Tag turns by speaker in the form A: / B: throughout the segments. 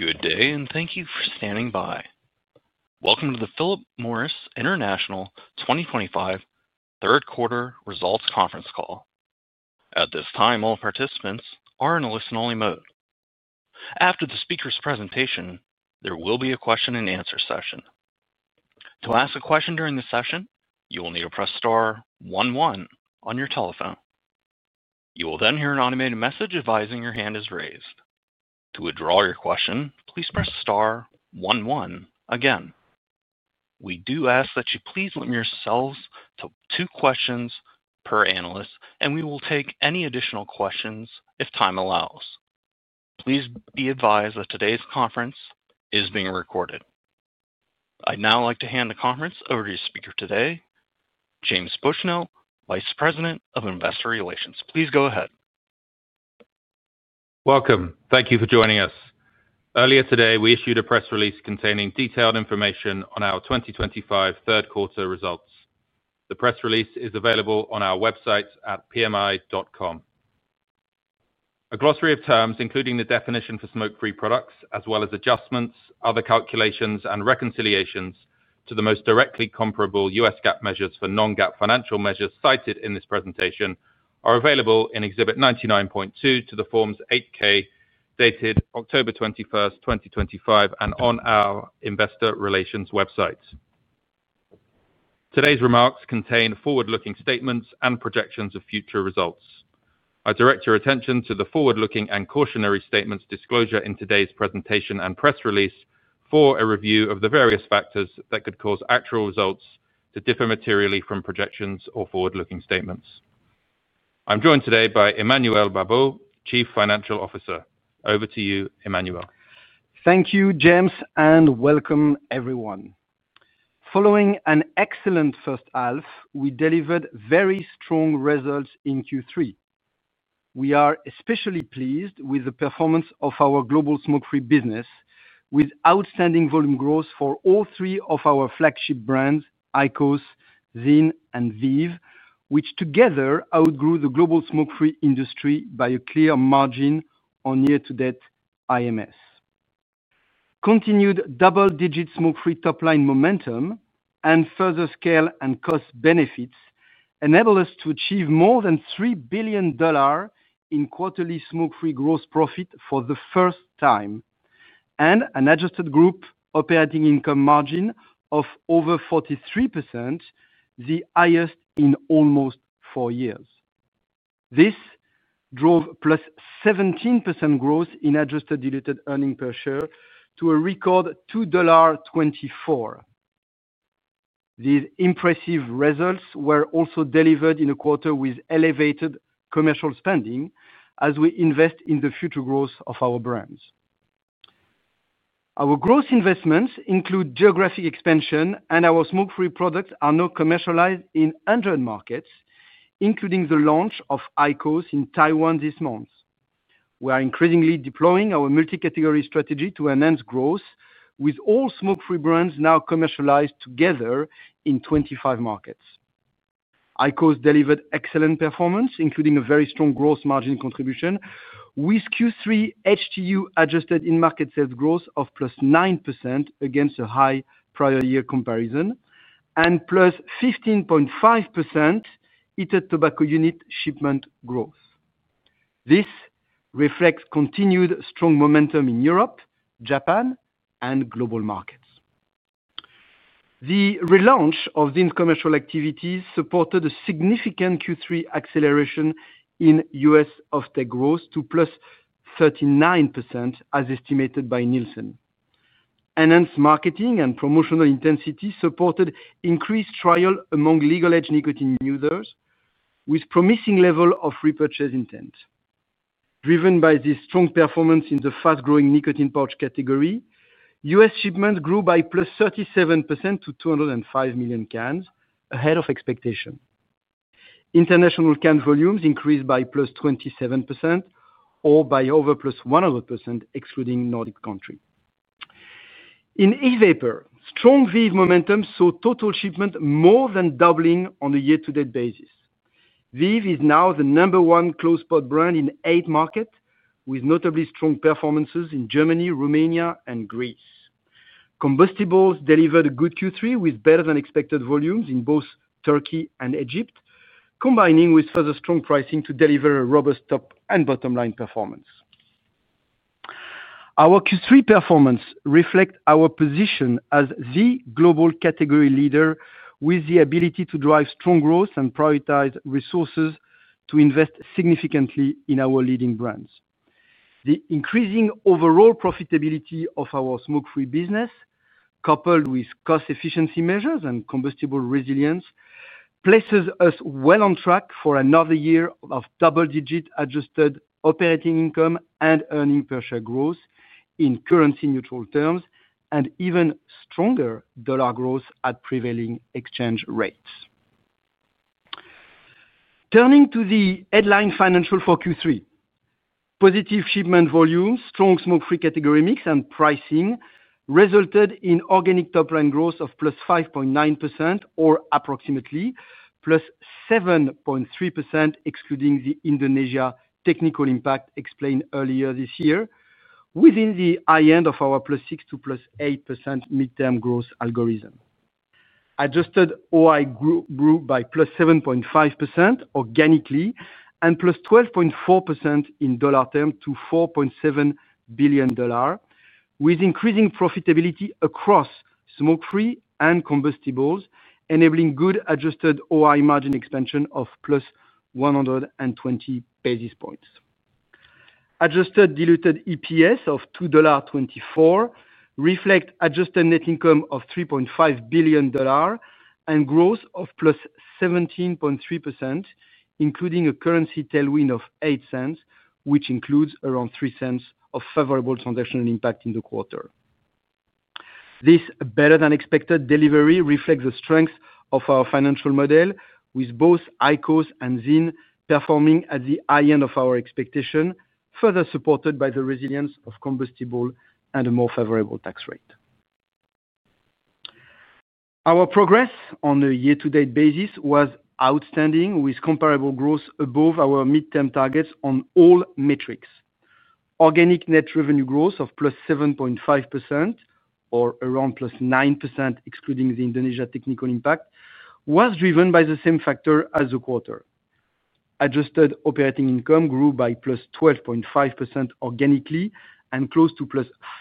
A: Good day and thank you for standing by. Welcome to the Philip Morris International 2025 Third Quarter Results Conference Call. At this time, all participants are in a listen-only mode. After the speaker's presentation, there will be a question and answer session. To ask a question during the session, you will need to press star one one on your telephone. You will then hear an automated message advising your hand is raised. To withdraw your question, please press star one one again. We do ask that you please limit yourselves to two questions per analyst, and we will take any additional questions if time allows. Please be advised that today's conference is being recorded. I'd now like to hand the conference over to your speaker today, James Bushnell, Vice President of Investor Relations. Please go ahead.
B: Welcome. Thank you for joining us. Earlier today, we issued a press release containing detailed information on our 2025 Third Quarter Results. The press release is available on our website at pmi.com. A glossary of terms, including the definition for smoke-free products, as well as adjustments, other calculations, and reconciliations to the most directly comparable U.S. GAAP measures for non-GAAP financial measures cited in this presentation are available in Exhibit 99.2 to the Forms 8-K dated October 21, 2025, and on our Investor Relations website. Today's remarks contain forward-looking statements and projections of future results. I direct your attention to the forward-looking and cautionary statements disclosure in today's presentation and press release for a review of the various factors that could cause actual results to differ materially from projections or forward-looking statements. I'm joined today by Emmanuel Babeau, Chief Financial Officer. Over to you, Emmanuel.
C: Thank you, James, and welcome, everyone. Following an excellent first half, we delivered very strong results in Q3. We are especially pleased with the performance of our global smoke-free business, with outstanding volume growth for all three of our flagship brands, IQOS, ZYN, and VEEV, which together outgrew the global smoke-free industry by a clear margin on year-to-date IMS. Continued double-digit smoke-free top-line momentum and further scale and cost benefits enable us to achieve more than $3 billion in quarterly smoke-free gross profit for the first time, and an adjusted group operating income margin of over 43%, the highest in almost four years. This drove +17% growth in adjusted diluted EPS to a record $2.24. These impressive results were also delivered in a quarter with elevated commercial spending as we invest in the future growth of our brands. Our growth investments include geographic expansion, and our smoke-free products are now commercialized in 100 markets, including the launch of IQOS in Taiwan this month. We are increasingly deploying our multi-category strategy to enhance growth, with all smoke-free brands now commercialized together in 25 markets. IQOS delivered excellent performance, including a very strong gross margin contribution, with Q3 HTU adjusted in-market sales growth of +9% against a high prior year comparison, and +15.5% ET tobacco unit shipment growth. This reflects continued strong momentum in Europe, Japan, and global markets. The relaunch of these commercial activities supported a significant Q3 acceleration in U.S. off-take growth to +39% as estimated by Nielsen. Enhanced marketing and promotional intensity supported increased trial among legal-age nicotine users, with a promising level of repurchase intent. Driven by this strong performance in the fast-growing nicotine pouch category, U.S. shipment grew by +37% to 205 million cans ahead of expectation. International can volumes increased by +27%, all by over +100% excluding Nordic countries. In e-vapor, strong VEEV momentum saw total shipment more than doubling on a year-to-date basis. VEEV is now the number one closed pod brand in eight markets, with notably strong performances in Germany, Romania, and Greece. Combustibles delivered a good Q3 with better than expected volumes in both Turkey and Egypt, combining with further strong pricing to deliver a robust top and bottom line performance. Our Q3 performance reflects our position as the global category leader, with the ability to drive strong growth and prioritize resources to invest significantly in our leading brands. The increasing overall profitability of our smoke-free business, coupled with cost efficiency measures and combustible resilience, places us well on track for another year of double-digit adjusted operating income and earnings per share growth in currency neutral terms, and even stronger dollar growth at prevailing exchange rates. Turning to the headline financials for Q3, positive shipment volume, strong smoke-free category mix, and pricing resulted in organic top-line growth of +5.9%, or approximately +7.3%, excluding the Indonesia technical impact explained earlier this year, within the high end of our +6% to +8% mid-term growth algorithm. Adjusted operating income grew by +7.5% organically and +12.4% in dollar terms to $4.7 billion, with increasing profitability across smoke-free and combustibles, enabling good adjusted operating income margin expansion of +120 basis points. Adjusted diluted EPS of $2.24 reflects adjusted net income of $3.5 billion and growth of +17.3%, including a currency tailwind of $0.08, which includes around $0.03 of favorable transactional impact in the quarter. This better than expected delivery reflects the strength of our financial model, with both IQOS and ZYN performing at the high end of our expectation, further supported by the resilience of combustibles and a more favorable tax rate. Our progress on a year-to-date basis was outstanding, with comparable growth above our mid-term targets on all metrics. Organic net revenue growth of +7.5%, or around +9%, excluding the Indonesia technical impact, was driven by the same factors as the quarter. Adjusted operating income grew by +12.5% organically and close to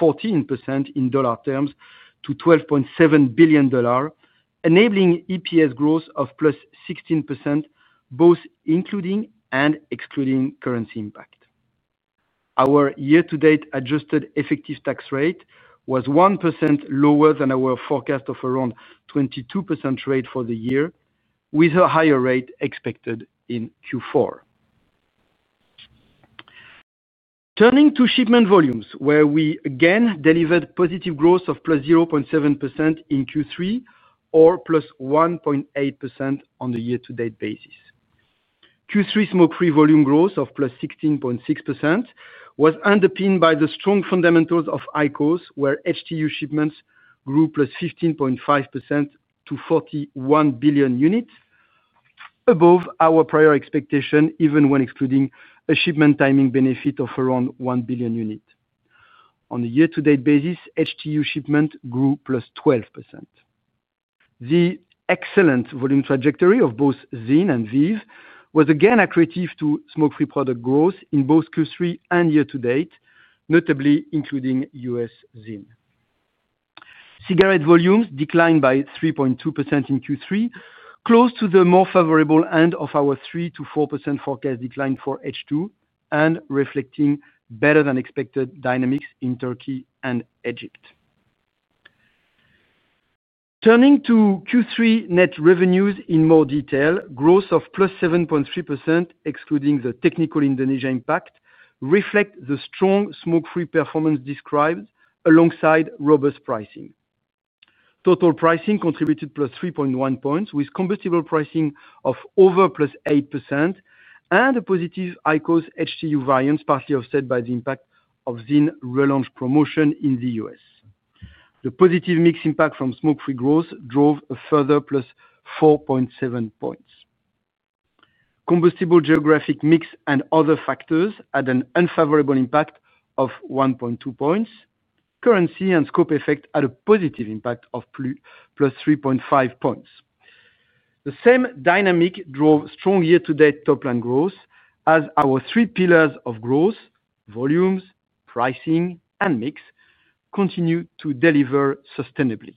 C: +14% in dollar terms to $12.7 billion, enabling EPS growth of +16%, both including and excluding currency impact. Our year-to-date adjusted effective tax rate was 1% lower than our forecast of around 22% rate for the year, with a higher rate expected in Q4. Turning to shipment volumes, where we again delivered positive growth of +0.7% in Q3, or +1.8% on a year-to-date basis. Q3 smoke-free volume growth of +16.6% was underpinned by the strong fundamentals of IQOS, where HTU shipments grew +15.5% to 41 billion units, above our prior expectation, even when excluding a shipment timing benefit of around 1 billion units. On a year-to-date basis, HTU shipment grew +12%. The excellent volume trajectory of both ZYN and VEEV was again accurate to smoke-free product growth in both Q3 and year-to-date, notably including U.S. ZYN. Cigarette volumes declined by 3.2% in Q3, close to the more favorable end of our 3%-4% forecast decline for H2, and reflecting better than expected dynamics in Turkey and Egypt. Turning to Q3 net revenues in more detail, growth of +7.3%, excluding the technical Indonesia impact, reflects the strong smoke-free performance described alongside robust pricing. Total pricing contributed +3.1 points, with combustible pricing of over +8% and a positive IQOS HTU variance, partly offset by the impact of ZYN relaunch promotion in the U.S. The positive mix impact from smoke-free growth drove a further +4.7 points. Combustible geographic mix and other factors had an unfavorable impact of 1.2 points. Currency and scope effect had a positive impact of +3.5 points. The same dynamic drove strong year-to-date top-line growth, as our three pillars of growth, volumes, pricing, and mix, continue to deliver sustainably.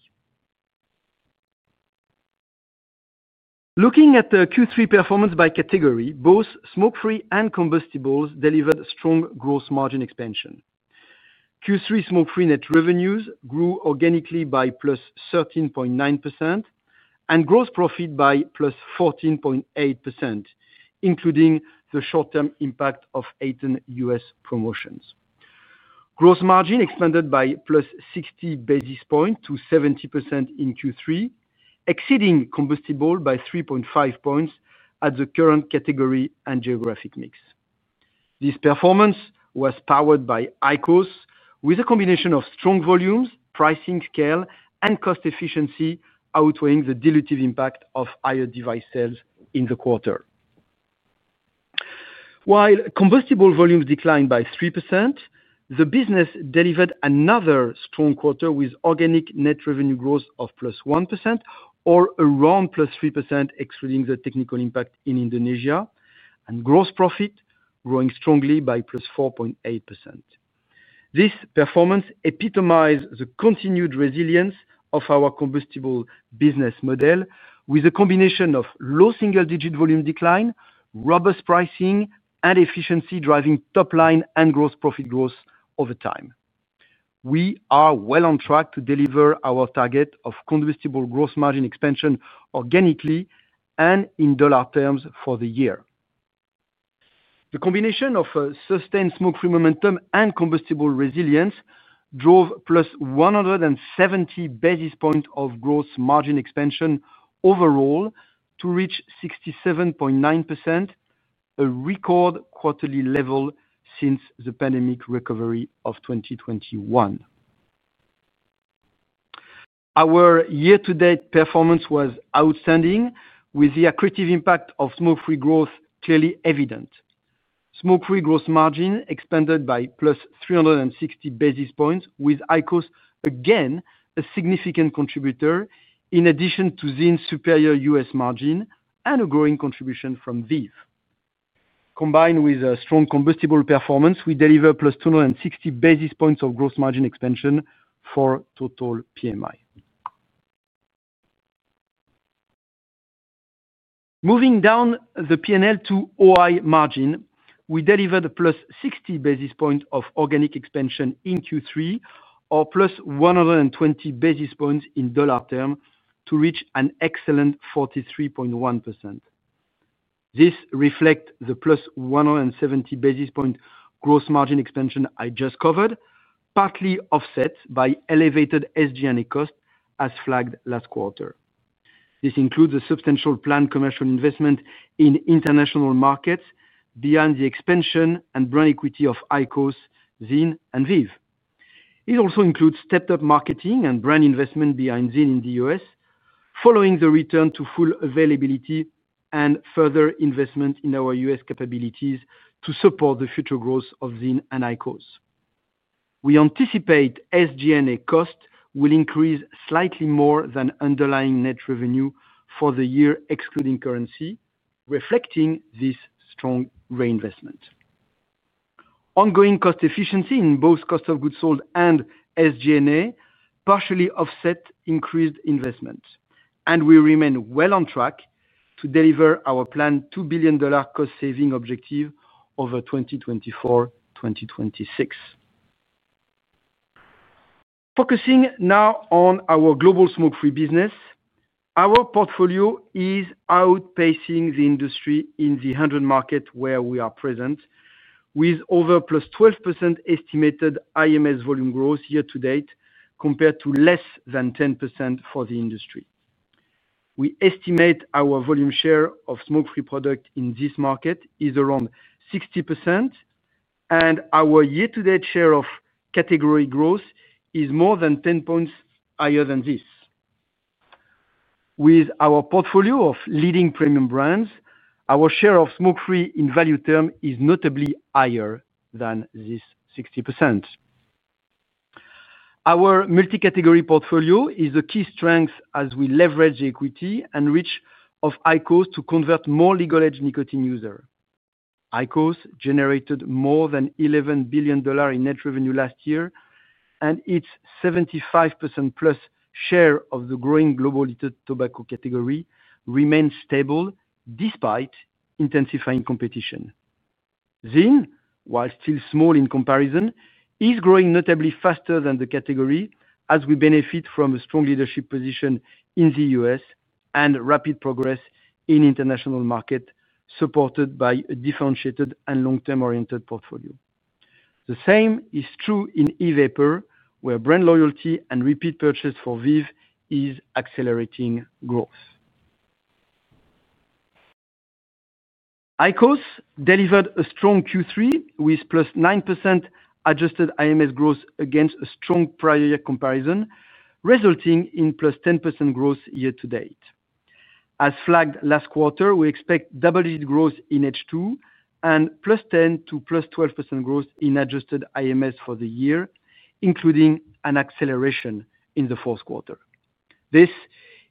C: Looking at the Q3 performance by category, both smoke-free and combustibles delivered strong gross margin expansion. Q3 smoke-free net revenues grew organically by +13.9% and gross profit by +14.8%, including the short-term impact of 18 U.S. promotions. Gross margin expanded by +60 basis points to 70% in Q3, exceeding combustible by 3.5 points at the current category and geographic mix. This performance was powered by IQOS, with a combination of strong volumes, pricing scale, and cost efficiency outweighing the dilutive impact of higher device sales in the quarter. While combustible volumes declined by 3%, the business delivered another strong quarter with organic net revenue growth of +1%, or around +3%, excluding the technical impact in Indonesia, and gross profit growing strongly by +4.8%. This performance epitomized the continued resilience of our combustible business model, with a combination of low single-digit volume decline, robust pricing, and efficiency driving top-line and gross profit growth over time. We are well on track to deliver our target of combustible gross margin expansion organically and in dollar terms for the year. The combination of sustained smoke-free momentum and combustible resilience drove +170 basis points of gross margin expansion overall to reach 67.9%, a record quarterly level since the pandemic recovery of 2021. Our year-to-date performance was outstanding, with the accretive impact of smoke-free growth clearly evident. Smoke-free gross margin expanded by +360 basis points, with IQOS again a significant contributor in addition to ZYN's superior U.S. margin and a growing contribution from VEEV. Combined with a strong combustible performance, we delivered +260 basis points of gross margin expansion for total PMI. Moving down the P&L to OI margin, we delivered +60 basis points of organic expansion in Q3, or +120 basis points in dollar terms to reach an excellent 43.1%. This reflects the +170 basis point gross margin expansion I just covered, partly offset by elevated SG&A cost as flagged last quarter. This includes a substantial planned commercial investment in international markets beyond the expansion and brand equity of IQOS, ZYN, and VEEV. It also includes stepped-up marketing and brand investment behind ZYN in the U.S., following the return to full availability and further investment in our U.S. capabilities to support the future growth of ZYN and IQOS. We anticipate SG&A cost will increase slightly more than underlying net revenue for the year, excluding currency, reflecting this strong reinvestment. Ongoing cost efficiency in both cost of goods sold and SG&A partially offset increased investment, and we remain well on track to deliver our planned $2 billion cost-saving objective over 2024-2026. Focusing now on our global smoke-free business, our portfolio is outpacing the industry in the 100 markets where we are present, with over +12% estimated IMS volume growth year-to-date compared to less than 10% for the industry. We estimate our volume share of smoke-free product in this market is around 60%, and our year-to-date share of category growth is more than 10 points higher than this. With our portfolio of leading premium brands, our share of smoke-free in value terms is notably higher than this 60%. Our multi-category portfolio is a key strength as we leverage the equity and reach of IQOS to convert more legal-age nicotine users. IQOS generated more than $11 billion in net revenue last year, and its 75%+ share of the growing global ET tobacco category remains stable despite intensifying competition. ZYN, while still small in comparison, is growing notably faster than the category as we benefit from a strong leadership position in the U.S. and rapid progress in international markets, supported by a differentiated and long-term-oriented portfolio. The same is true in e-vapor, where brand loyalty and repeat purchase for VEEV is accelerating growth. IQOS delivered a strong Q3 with +9% adjusted IMS growth against a strong prior year comparison, resulting in +10% growth year-to-date. As flagged last quarter, we expect double-digit growth in H2 and +10% to +12% growth in adjusted IMS for the year, including an acceleration in the fourth quarter. This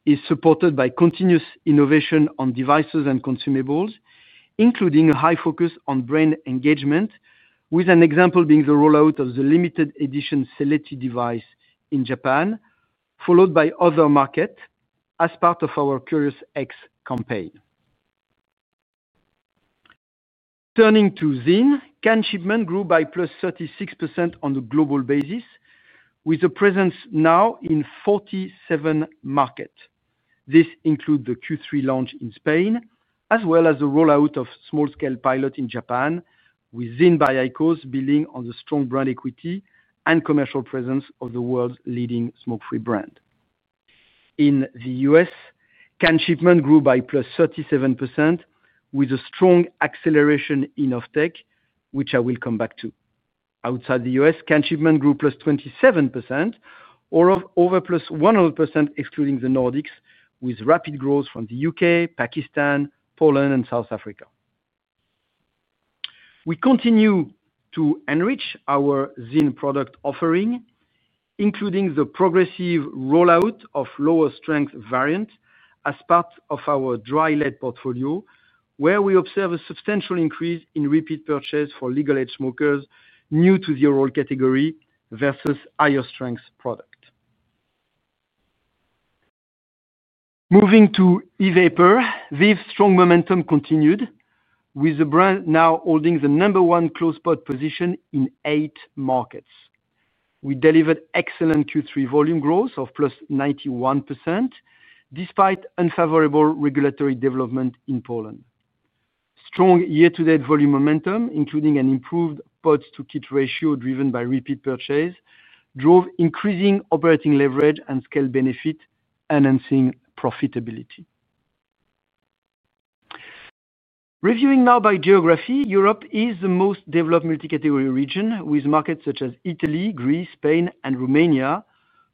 C: is supported by continuous innovation on devices and consumables, including a high focus on brand engagement, with an example being the rollout of the limited edition Celeti device in Japan, followed by other markets as part of our Curious X campaign. Turning to ZYN, can shipment grew by +36% on a global basis, with a presence now in 47 markets. This includes the Q3 launch in Spain, as well as the rollout of a small-scale pilot in Japan, with ZYN by IQOS building on the strong brand equity and commercial presence of the world's leading smoke-free brand. In the U.S., can shipment grew by +37%, with a strong acceleration in off-take, which I will come back to. Outside the U.S., can shipment grew +27%, or over +100% excluding the Nordics, with rapid growth from the UK, Pakistan, Poland, and South Africa. We continue to enrich our ZYN product offering, including the progressive rollout of lower strength variant as part of our dry lead portfolio, where we observe a substantial increase in repeat purchase for legal-age smokers new to the overall category versus higher strength product. Moving to e-vapor, VEEV's strong momentum continued, with the brand now holding the number one closed pod position in eight markets. We delivered excellent Q3 volume growth of +91%, despite unfavorable regulatory development in Poland. Strong year-to-date volume momentum, including an improved pods to kit ratio driven by repeat purchase, drove increasing operating leverage and scale benefit, enhancing profitability. Reviewing now by geography, Europe is the most developed multi-category region, with markets such as Italy, Greece, Spain, and Romania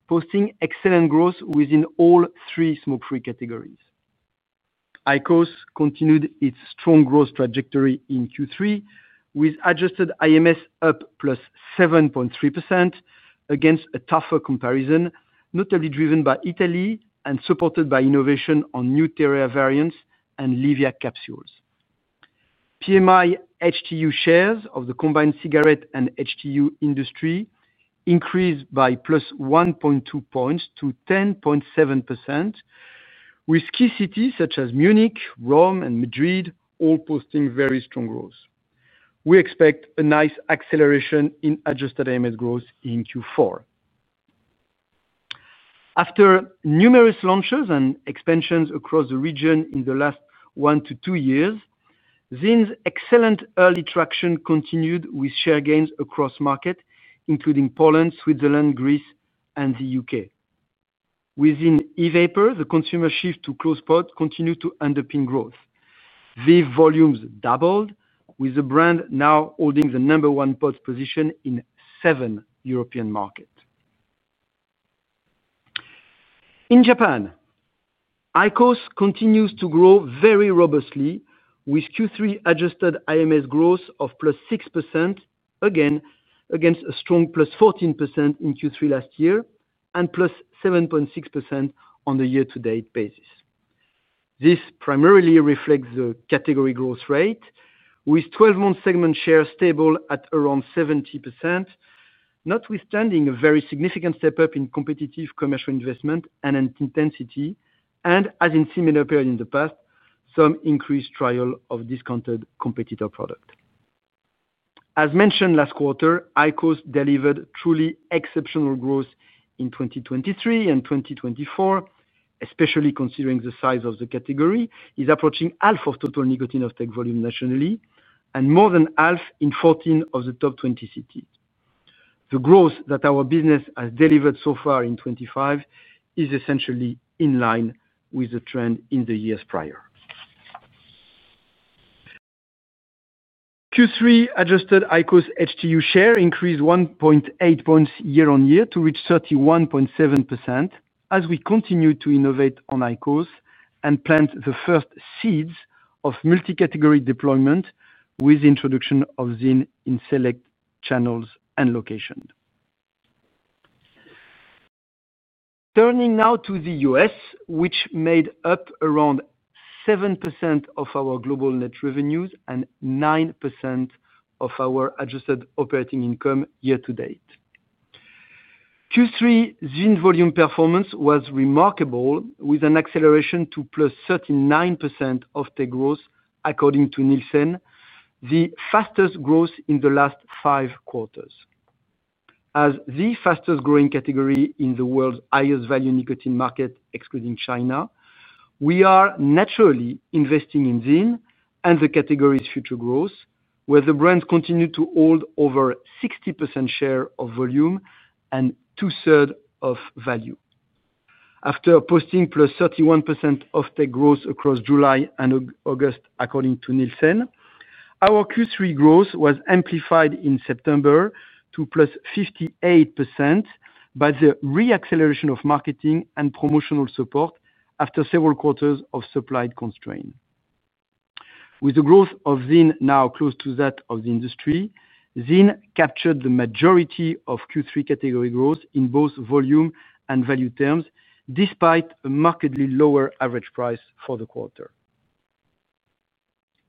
C: posting excellent growth within all three smoke-free categories. IQOS continued its strong growth trajectory in Q3, with adjusted IMS up +7.3% against a tougher comparison, notably driven by Italy and supported by innovation on new Terra variants and LIVIA capsules. PMI HTU shares of the combined cigarette and HTU industry increased by +1.2 points to 10.7%, with key cities such as Munich, Rome, and Madrid all posting very strong growth. We expect a nice acceleration in adjusted IMS growth in Q4. After numerous launches and expansions across the region in the last one to two years, ZYN's excellent early traction continued with share gains across markets, including Poland, Switzerland, Greece, and the UK. Within e-vapor, the consumer shift to closed pod continued to underpin growth. VEEV volumes doubled, with the brand now holding the number one pods position in seven European markets. In Japan, IQOS continues to grow very robustly, with Q3 adjusted IMS growth of +6%, again against a strong +14% in Q3 last year, and +7.6% on a year-to-date basis. This primarily reflects the category growth rate, with 12-month segment shares stable at around 70%, notwithstanding a very significant step up in competitive commercial investment and intensity, and as in a similar period in the past, some increased trial of discounted competitor product. As mentioned last quarter, IQOS delivered truly exceptional growth in 2023 and 2024, especially considering the size of the category is approaching half of total nicotine off-take volume nationally, and more than half in 14 of the top 20 cities. The growth that our business has delivered so far in 2025 is essentially in line with the trend in the years prior. Q3 adjusted IQOS HTU share increased 1.8 points year-on-year to reach 31.7%, as we continue to innovate on IQOS and plant the first seeds of multi-category deployment with the introduction of ZYN in select channels and locations. Turning now to the U.S., which made up around 7% of our global net revenues and 9% of our adjusted operating income year to date. Q3 ZYN volume performance was remarkable, with an acceleration to +39% off-take growth, according to Nielsen, the fastest growth in the last five quarters. As the fastest growing category in the world's highest value nicotine market, excluding China, we are naturally investing in ZYN and the category's future growth, where the brand continued to hold over 60% share of volume and two-thirds of value. After posting +31% off-take growth across July and August, according to Nielsen, our Q3 growth was amplified in September to +58% by the re-acceleration of marketing and promotional support after several quarters of supply constraint. With the growth of ZYN now close to that of the industry, ZYN captured the majority of Q3 category growth in both volume and value terms, despite a markedly lower average price for the quarter.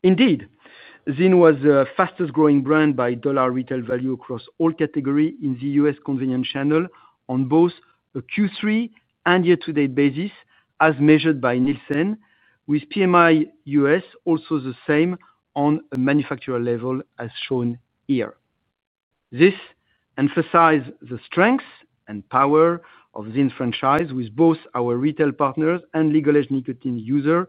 C: Indeed, ZYN was the fastest growing brand by dollar retail value across all categories in the U.S. convenience channel on both a Q3 and year-to-date basis, as measured by Nielsen, with PMI U.S. also the same on a manufacturer level as shown here. This emphasizes the strengths and power of the ZYN franchise, with both our retail partners and legal-age nicotine users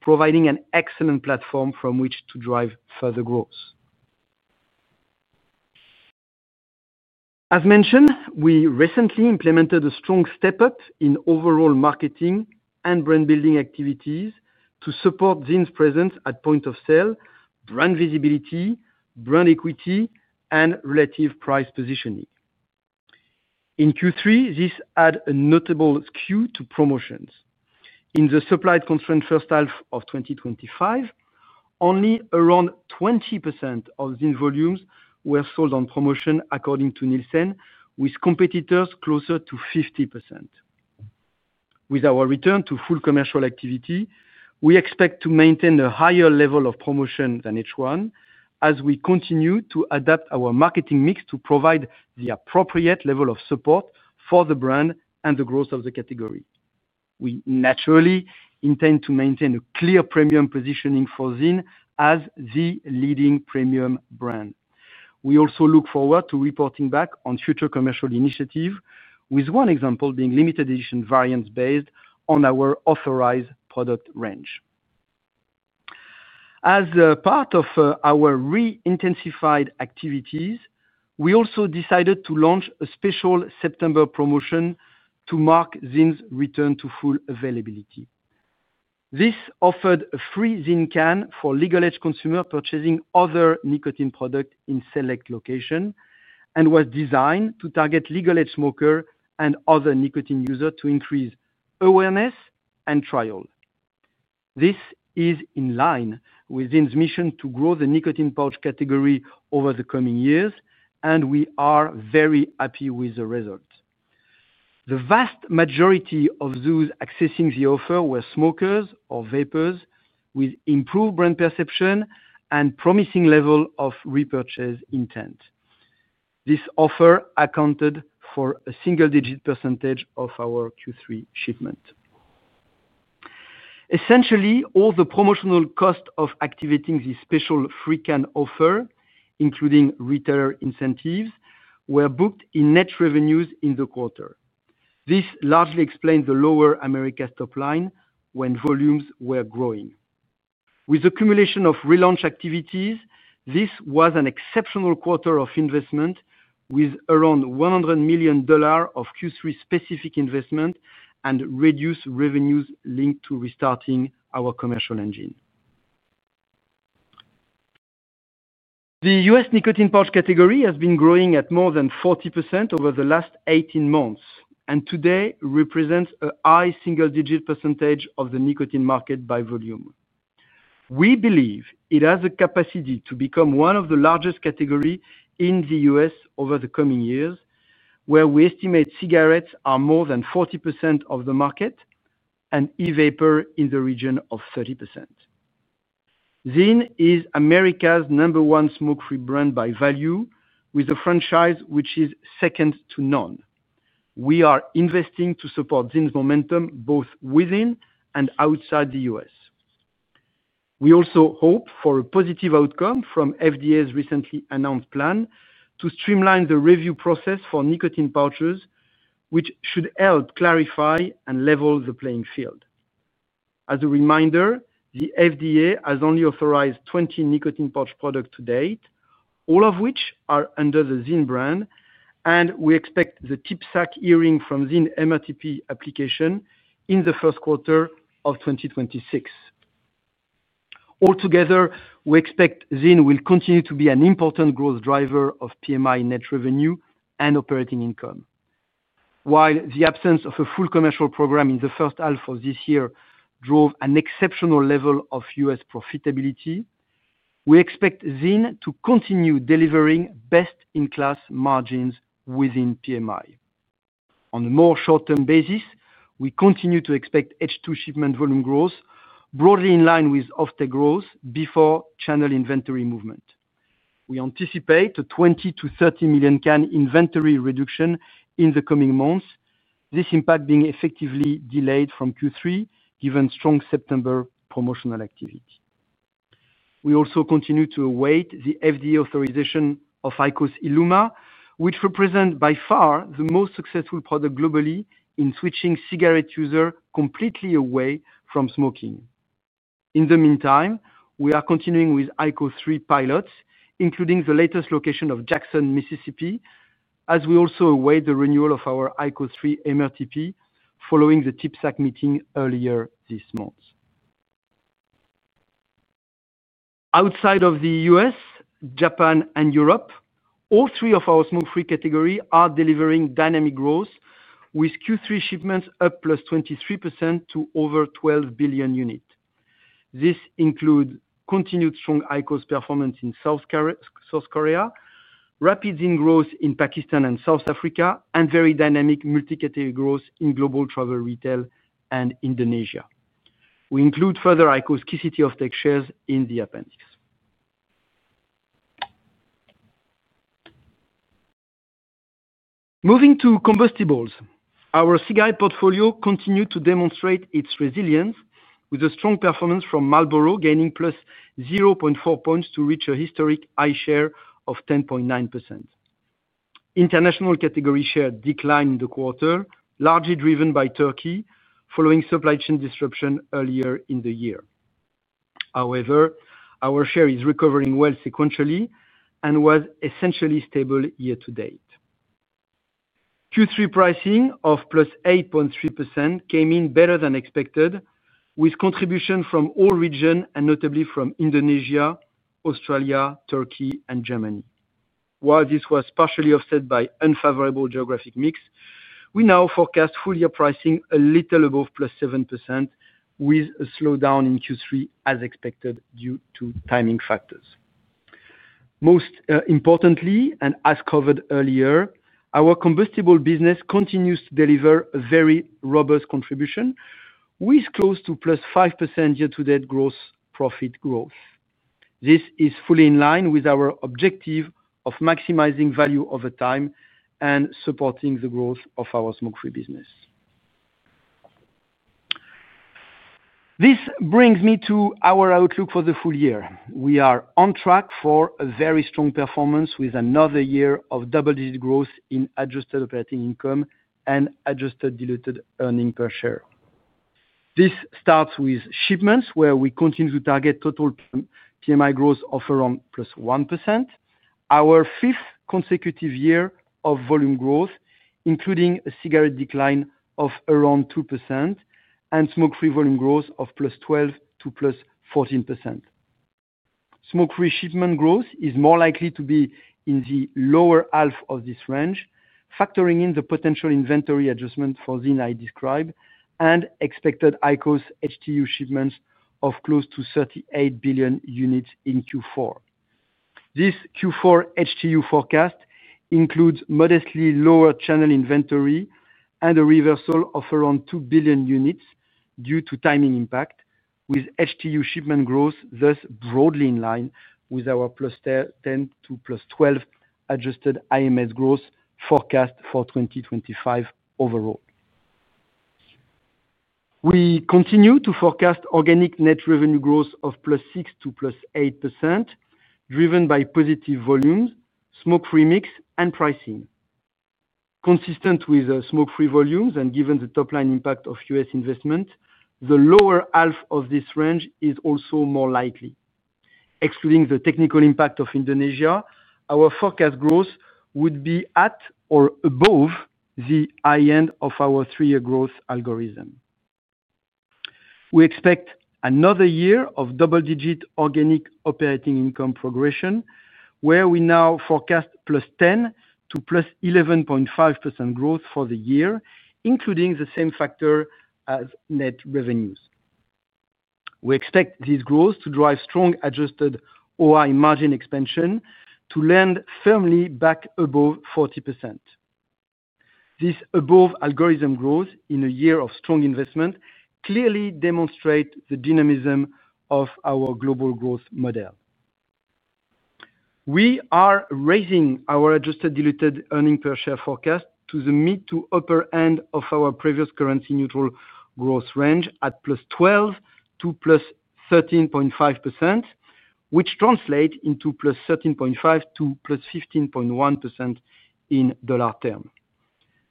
C: providing an excellent platform from which to drive further growth. As mentioned, we recently implemented a strong step up in overall marketing and brand building activities to support ZYN's presence at point of sale, brand visibility, brand equity, and relative price positioning. In Q3, this added a notable skew to promotions. In the supply constraint first half of 2023, only around 20% of ZYN volumes were sold on promotion, according to Nielsen, with competitors closer to 50%. With our return to full commercial activity, we expect to maintain a higher level of promotion than H1, as we continue to adapt our marketing mix to provide the appropriate level of support for the brand and the growth of the category. We naturally intend to maintain a clear premium positioning for ZYN as the leading premium brand. We also look forward to reporting back on future commercial initiatives, with one example being limited edition variants based on our authorized product range. As part of our re-intensified activities, we also decided to launch a special September promotion to mark ZYN's return to full availability. This offered a free ZYN can for legal-age consumers purchasing other nicotine products in select locations and was designed to target legal-age smokers and other nicotine users to increase awareness and trial. This is in line with ZYN's mission to grow the nicotine pouch category over the coming years, and we are very happy with the result. The vast majority of those accessing the offer were smokers or vapers with improved brand perception and a promising level of repurchase intent. This offer accounted for a single-digit percentage of our Q3 shipment. Essentially, all the promotional costs of activating the special free can offer, including retailer incentives, were booked in net revenues in the quarter. This largely explained the lower America's top line when volumes were growing. With the accumulation of relaunch activities, this was an exceptional quarter of investment, with around $100 million of Q3 specific investment and reduced revenues linked to restarting our commercial engine. The U.S. nicotine pouch category has been growing at more than 40% over the last 18 months and today represents a high single-digit percentage of the nicotine market by volume. We believe it has the capacity to become one of the largest categories in the U.S. over the coming years, where we estimate cigarettes are more than 40% of the market and e-vapor in the region of 30%. ZYN is America's number one smoke-free brand by value, with a franchise which is second to none. We are investing to support ZYN's momentum both within and outside the U.S. We also hope for a positive outcome from FDA's recently announced plan to streamline the review process for nicotine pouches, which should help clarify and level the playing field. As a reminder, the FDA has only authorized 20 nicotine pouch products to date, all of which are under the ZYN brand, and we expect the TPSAC hearing from ZYN MRTP application in the first quarter of 2026. Altogether, we expect ZYN will continue to be an important growth driver of PMI net revenue and operating income. While the absence of a full commercial program in the first half of this year drove an exceptional level of U.S. profitability, we expect ZYN to continue delivering best-in-class margins within PMI. On a more short-term basis, we continue to expect H2 shipment volume growth, broadly in line with off-take growth before channel inventory movement. We anticipate a 20-30 million can inventory reduction in the coming months, this impact being effectively delayed from Q3, given strong September promotional activity. We also continue to await the FDA authorization of IQOS Illuma, which represents by far the most successful product globally in switching cigarette users completely away from smoking. In the meantime, we are continuing with IQOS 3 pilots, including the latest location of Jackson, Mississippi, as we also await the renewal of our IQOS 3 MRTP following the TIPSAC meeting earlier this month. Outside of the U.S., Japan, and Europe, all three of our smoke-free categories are delivering dynamic growth, with Q3 shipments up +23% to over 12 billion units. This includes continued strong IQOS performance in South Korea, rapid ZYN growth in Pakistan and South Africa, and very dynamic multi-category growth in global travel, retail, and Indonesia. We include further IQOS KCT off-take shares in the appendix. Moving to combustibles, our cigarette portfolio continued to demonstrate its resilience, with a strong performance from Marlboro gaining +0.4 points to reach a historic high share of 10.9%. International category share declined in the quarter, largely driven by Turkey, following supply chain disruption earlier in the year. However, our share is recovering well sequentially and was essentially stable year to date. Q3 pricing of +8.3% came in better than expected, with contributions from all regions and notably from Indonesia, Australia, Turkey, and Germany. While this was partially offset by unfavorable geographic mix, we now forecast full-year pricing a little above +7%, with a slowdown in Q3 as expected due to timing factors. Most importantly, as covered earlier, our combustible business continues to deliver a very robust contribution, with close to +5% year-to-date gross profit growth. This is fully in line with our objective of maximizing value over time and supporting the growth of our smoke-free business. This brings me to our outlook for the full year. We are on track for a very strong performance with another year of double-digit growth in adjusted operating income and adjusted diluted EPS. This starts with shipments, where we continue to target total PMI growth of around +1%. Our fifth consecutive year of volume growth, including a cigarette decline of around 2%, and smoke-free volume growth of +12% to +14%. Smoke-free shipment growth is more likely to be in the lower half of this range, factoring in the potential inventory adjustment for ZYN I described and expected IQOS HTU shipments of close to 38 billion units in Q4. This Q4 HTU forecast includes modestly lower channel inventory and a reversal of around 2 billion units due to timing impact, with HTU shipment growth thus broadly in line with our +10% to +12% adjusted IMS growth forecast for 2025 overall. We continue to forecast organic net revenue growth of +6% to +8%, driven by positive volumes, smoke-free mix, and pricing. Consistent with smoke-free volumes and given the top-line impact of U.S. investment, the lower half of this range is also more likely. Excluding the technical impact of Indonesia, our forecast growth would be at or above the high end of our three-year growth algorithm. We expect another year of double-digit organic operating income progression, where we now forecast +10% to +11.5% growth for the year, including the same factor as net revenues. We expect this growth to drive strong adjusted OI margin expansion to land firmly back above 40%. This above algorithm growth in a year of strong investment clearly demonstrates the dynamism of our global growth model. We are raising our adjusted diluted EPS forecast to the mid to upper end of our previous currency neutral growth range at +12% to +13.5%, which translates into +13.5% to +15.1% in dollar term.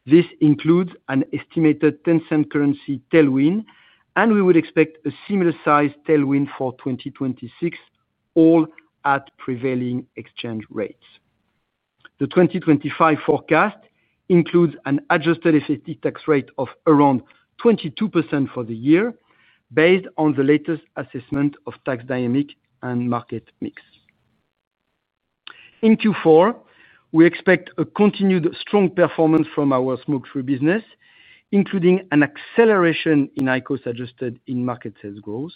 C: This includes an estimated $0.10 currency tailwind, and we would expect a similar size tailwind for 2026, all at prevailing exchange rates. The 2025 forecast includes an adjusted effective tax rate of around 22% for the year, based on the latest assessment of tax dynamics and market mix. In Q4, we expect a continued strong performance from our smoke-free business, including an acceleration in IQOS adjusted in-market sales growth.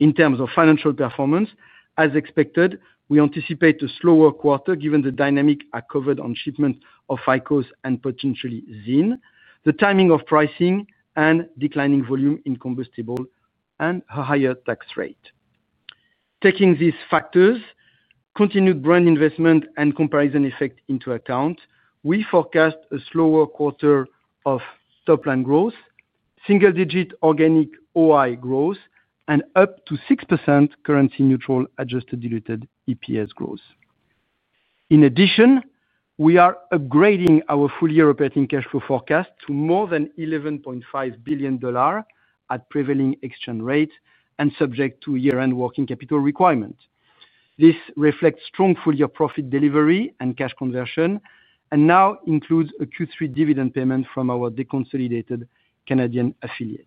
C: In terms of financial performance, as expected, we anticipate a slower quarter given the dynamics covered on shipment of IQOS and potentially ZYN, the timing of pricing, and declining volume in combustible, and a higher tax rate. Taking these factors, continued brand investment, and comparison effect into account, we forecast a slower quarter of top-line growth, single-digit organic OI growth, and up to 6% currency neutral adjusted diluted EPS growth. In addition, we are upgrading our full-year operating cash flow forecast to more than $11.5 billion at prevailing exchange rates and subject to year-end working capital requirements. This reflects strong full-year profit delivery and cash conversion, and now includes a Q3 dividend payment from our consolidated Canadian affiliate.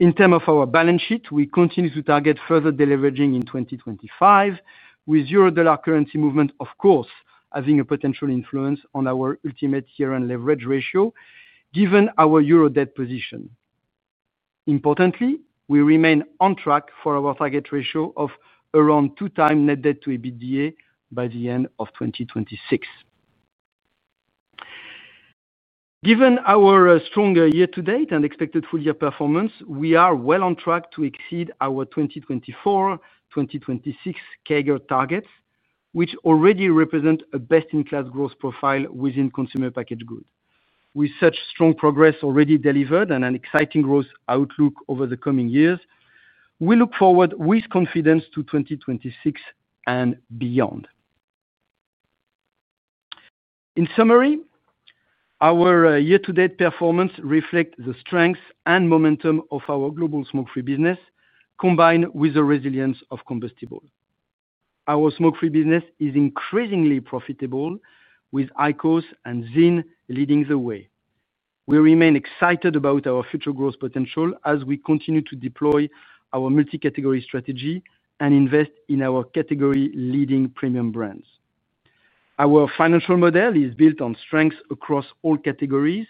C: In terms of our balance sheet, we continue to target further deleveraging in 2025, with euro dollar currency movement, of course, having a potential influence on our ultimate year-end leverage ratio, given our euro debt position. Importantly, we remain on track for our target ratio of around two times net debt to EBITDA by the end of 2026. Given our stronger year-to-date and expected full-year performance, we are well on track to exceed our 2024-2026 CAGR targets, which already represent a best-in-class growth profile within consumer packaged goods. With such strong progress already delivered and an exciting growth outlook over the coming years, we look forward with confidence to 2026 and beyond. In summary, our year-to-date performance reflects the strengths and momentum of our global smoke-free business, combined with the resilience of combustibles. Our smoke-free business is increasingly profitable, with IQOS and ZYN leading the way. We remain excited about our future growth potential as we continue to deploy our multi-category strategy and invest in our category-leading premium brands. Our financial model is built on strengths across all categories,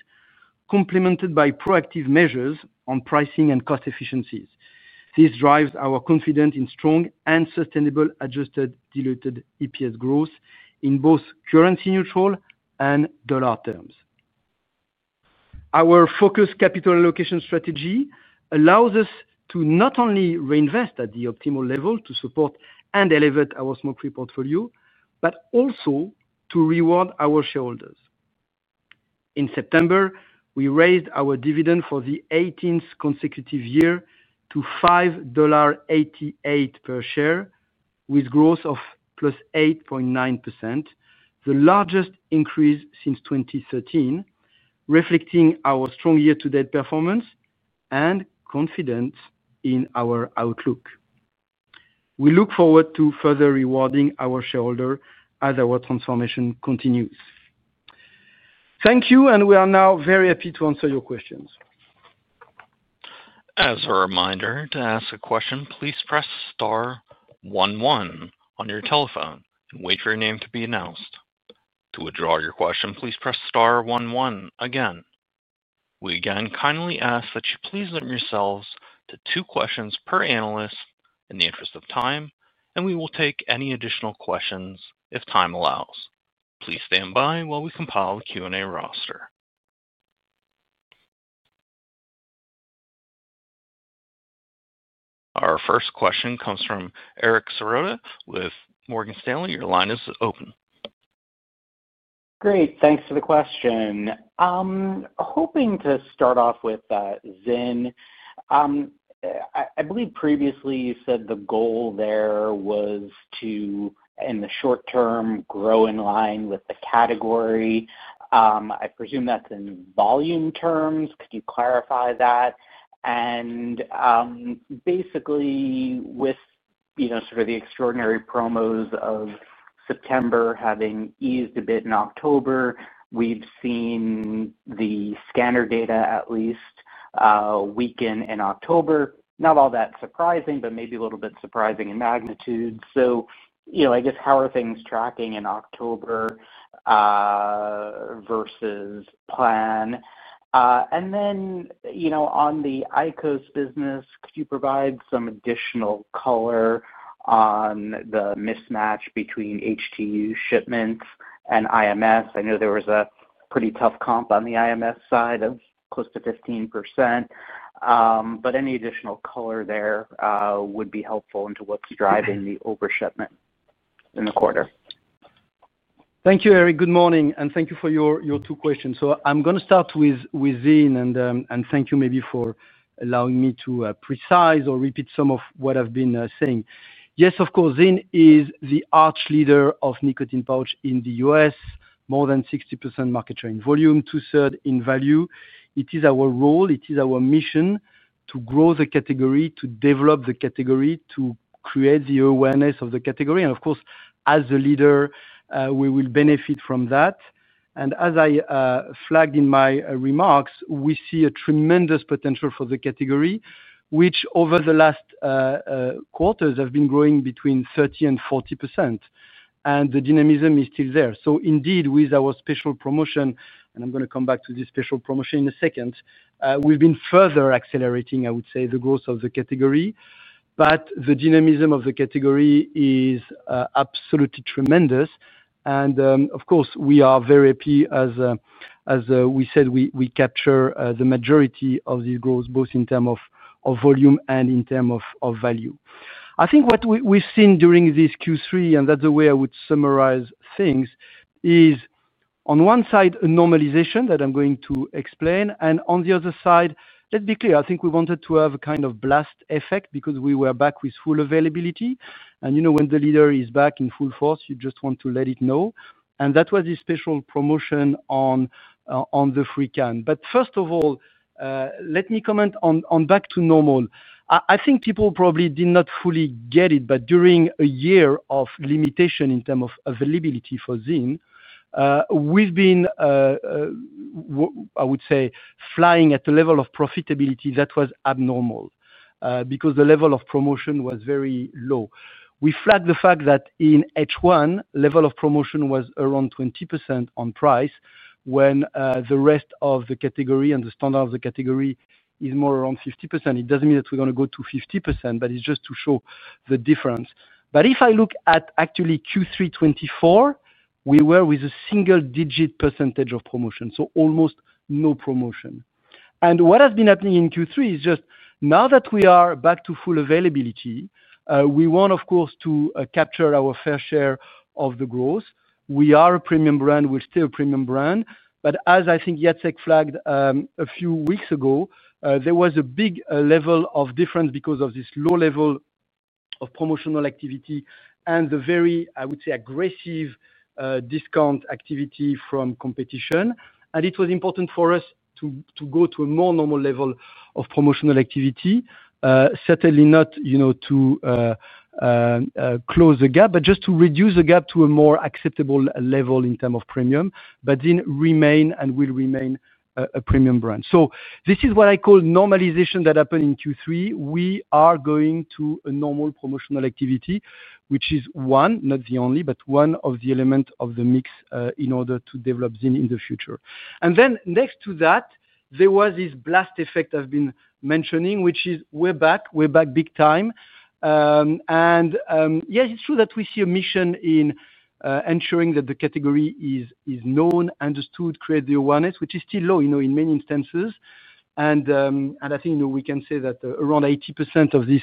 C: complemented by proactive measures on pricing and cost efficiencies. This drives our confidence in strong and sustainable adjusted diluted EPS growth in both currency neutral and dollar terms. Our focused capital allocation strategy allows us to not only reinvest at the optimal level to support and elevate our smoke-free portfolio, but also to reward our shareholders. In September, we raised our dividend for the 18th consecutive year to $5.88 per share, with growth of +8.9%, the largest increase since 2013, reflecting our strong year-to-date performance and confidence in our outlook. We look forward to further rewarding our shareholders as our transformation continues. Thank you, and we are now very happy to answer your questions.
A: As a reminder, to ask a question, please press star one one on your telephone and wait for your name to be announced. To withdraw your question, please press star one one again. We again kindly ask that you please limit yourselves to two questions per analyst in the interest of time, and we will take any additional questions if time allows. Please stand by while we compile the Q&A roster. Our first question comes from Eric Serotta with Morgan Stanley. Your line is open.
D: Great. Thanks for the question. I'm hoping to start off with ZYN. I believe previously you said the goal there was to, in the short term, grow in line with the category. I presume that's in volume terms. Could you clarify that? Basically, with sort of the extraordinary promos of September having eased a bit in October, we've seen the scanner data at least weaken in October. Not all that surprising, but maybe a little bit surprising in magnitude. I guess how are things tracking in October versus plan? On the IQOS business, could you provide some additional color on the mismatch between HTU shipments and IMS? I know there was a pretty tough comp on the IMS side of close to 15%. Any additional color there would be helpful into what's driving the overshipment in the quarter.
C: Thank you, Eric. Good morning, and thank you for your two questions. I'm going to start with ZYN, and thank you maybe for allowing me to precise or repeat some of what I've been saying. Yes, of course, ZYN is the arch leader of nicotine pouch in the U.S., more than 60% market share in volume, two-thirds in value. It is our role, it is our mission to grow the category, to develop the category, to create the awareness of the category. Of course, as a leader, we will benefit from that. As I flagged in my remarks, we see a tremendous potential for the category, which over the last quarters has been growing between 30%-40%. The dynamism is still there. Indeed, with our special promotion, and I'm going to come back to this special promotion in a second, we've been further accelerating, I would say, the growth of the category. The dynamism of the category is absolutely tremendous. Of course, we are very happy, as we said, we capture the majority of the growth, both in terms of volume and in terms of value. I think what we've seen during this Q3, and that's the way I would summarize things, is on one side a normalization that I'm going to explain, and on the other side, let's be clear, I think we wanted to have a kind of blast effect because we were back with full availability. You know when the leader is back in full force, you just want to let it know. That was a special promotion on the free can. First of all, let me comment on back to normal. I think people probably did not fully get it, but during a year of limitation in terms of availability for ZYN, we've been, I would say, flying at a level of profitability that was abnormal because the level of promotion was very low. We flagged the fact that in H1, the level of promotion was around 20% on price, when the rest of the category and the standard of the category is more around 50%. It doesn't mean that we're going to go to 50%, but it's just to show the difference. If I look at actually Q3 2024, we were with a single-digit percentage of promotion, so almost no promotion. What has been happening in Q3 is just now that we are back to full availability, we want, of course, to capture our fair share of the growth. We are a premium brand, we're still a premium brand. As I think Jacek flagged a few weeks ago, there was a big level of difference because of this low level of promotional activity and the very, I would say, aggressive discount activity from competition. It was important for us to go to a more normal level of promotional activity, certainly not to close the gap, but just to reduce the gap to a more acceptable level in terms of premium. ZYN remains and will remain a premium brand. This is what I call normalization that happened in Q3. We are going to a normal promotional activity, which is one, not the only, but one of the elements of the mix in order to develop ZYN in the future. Next to that, there was this blast effect I've been mentioning, which is we're back, we're back big time. It is true that we see a mission in ensuring that the category is known, understood, creates the awareness, which is still low, you know, in many instances. I think we can say that around 80% of this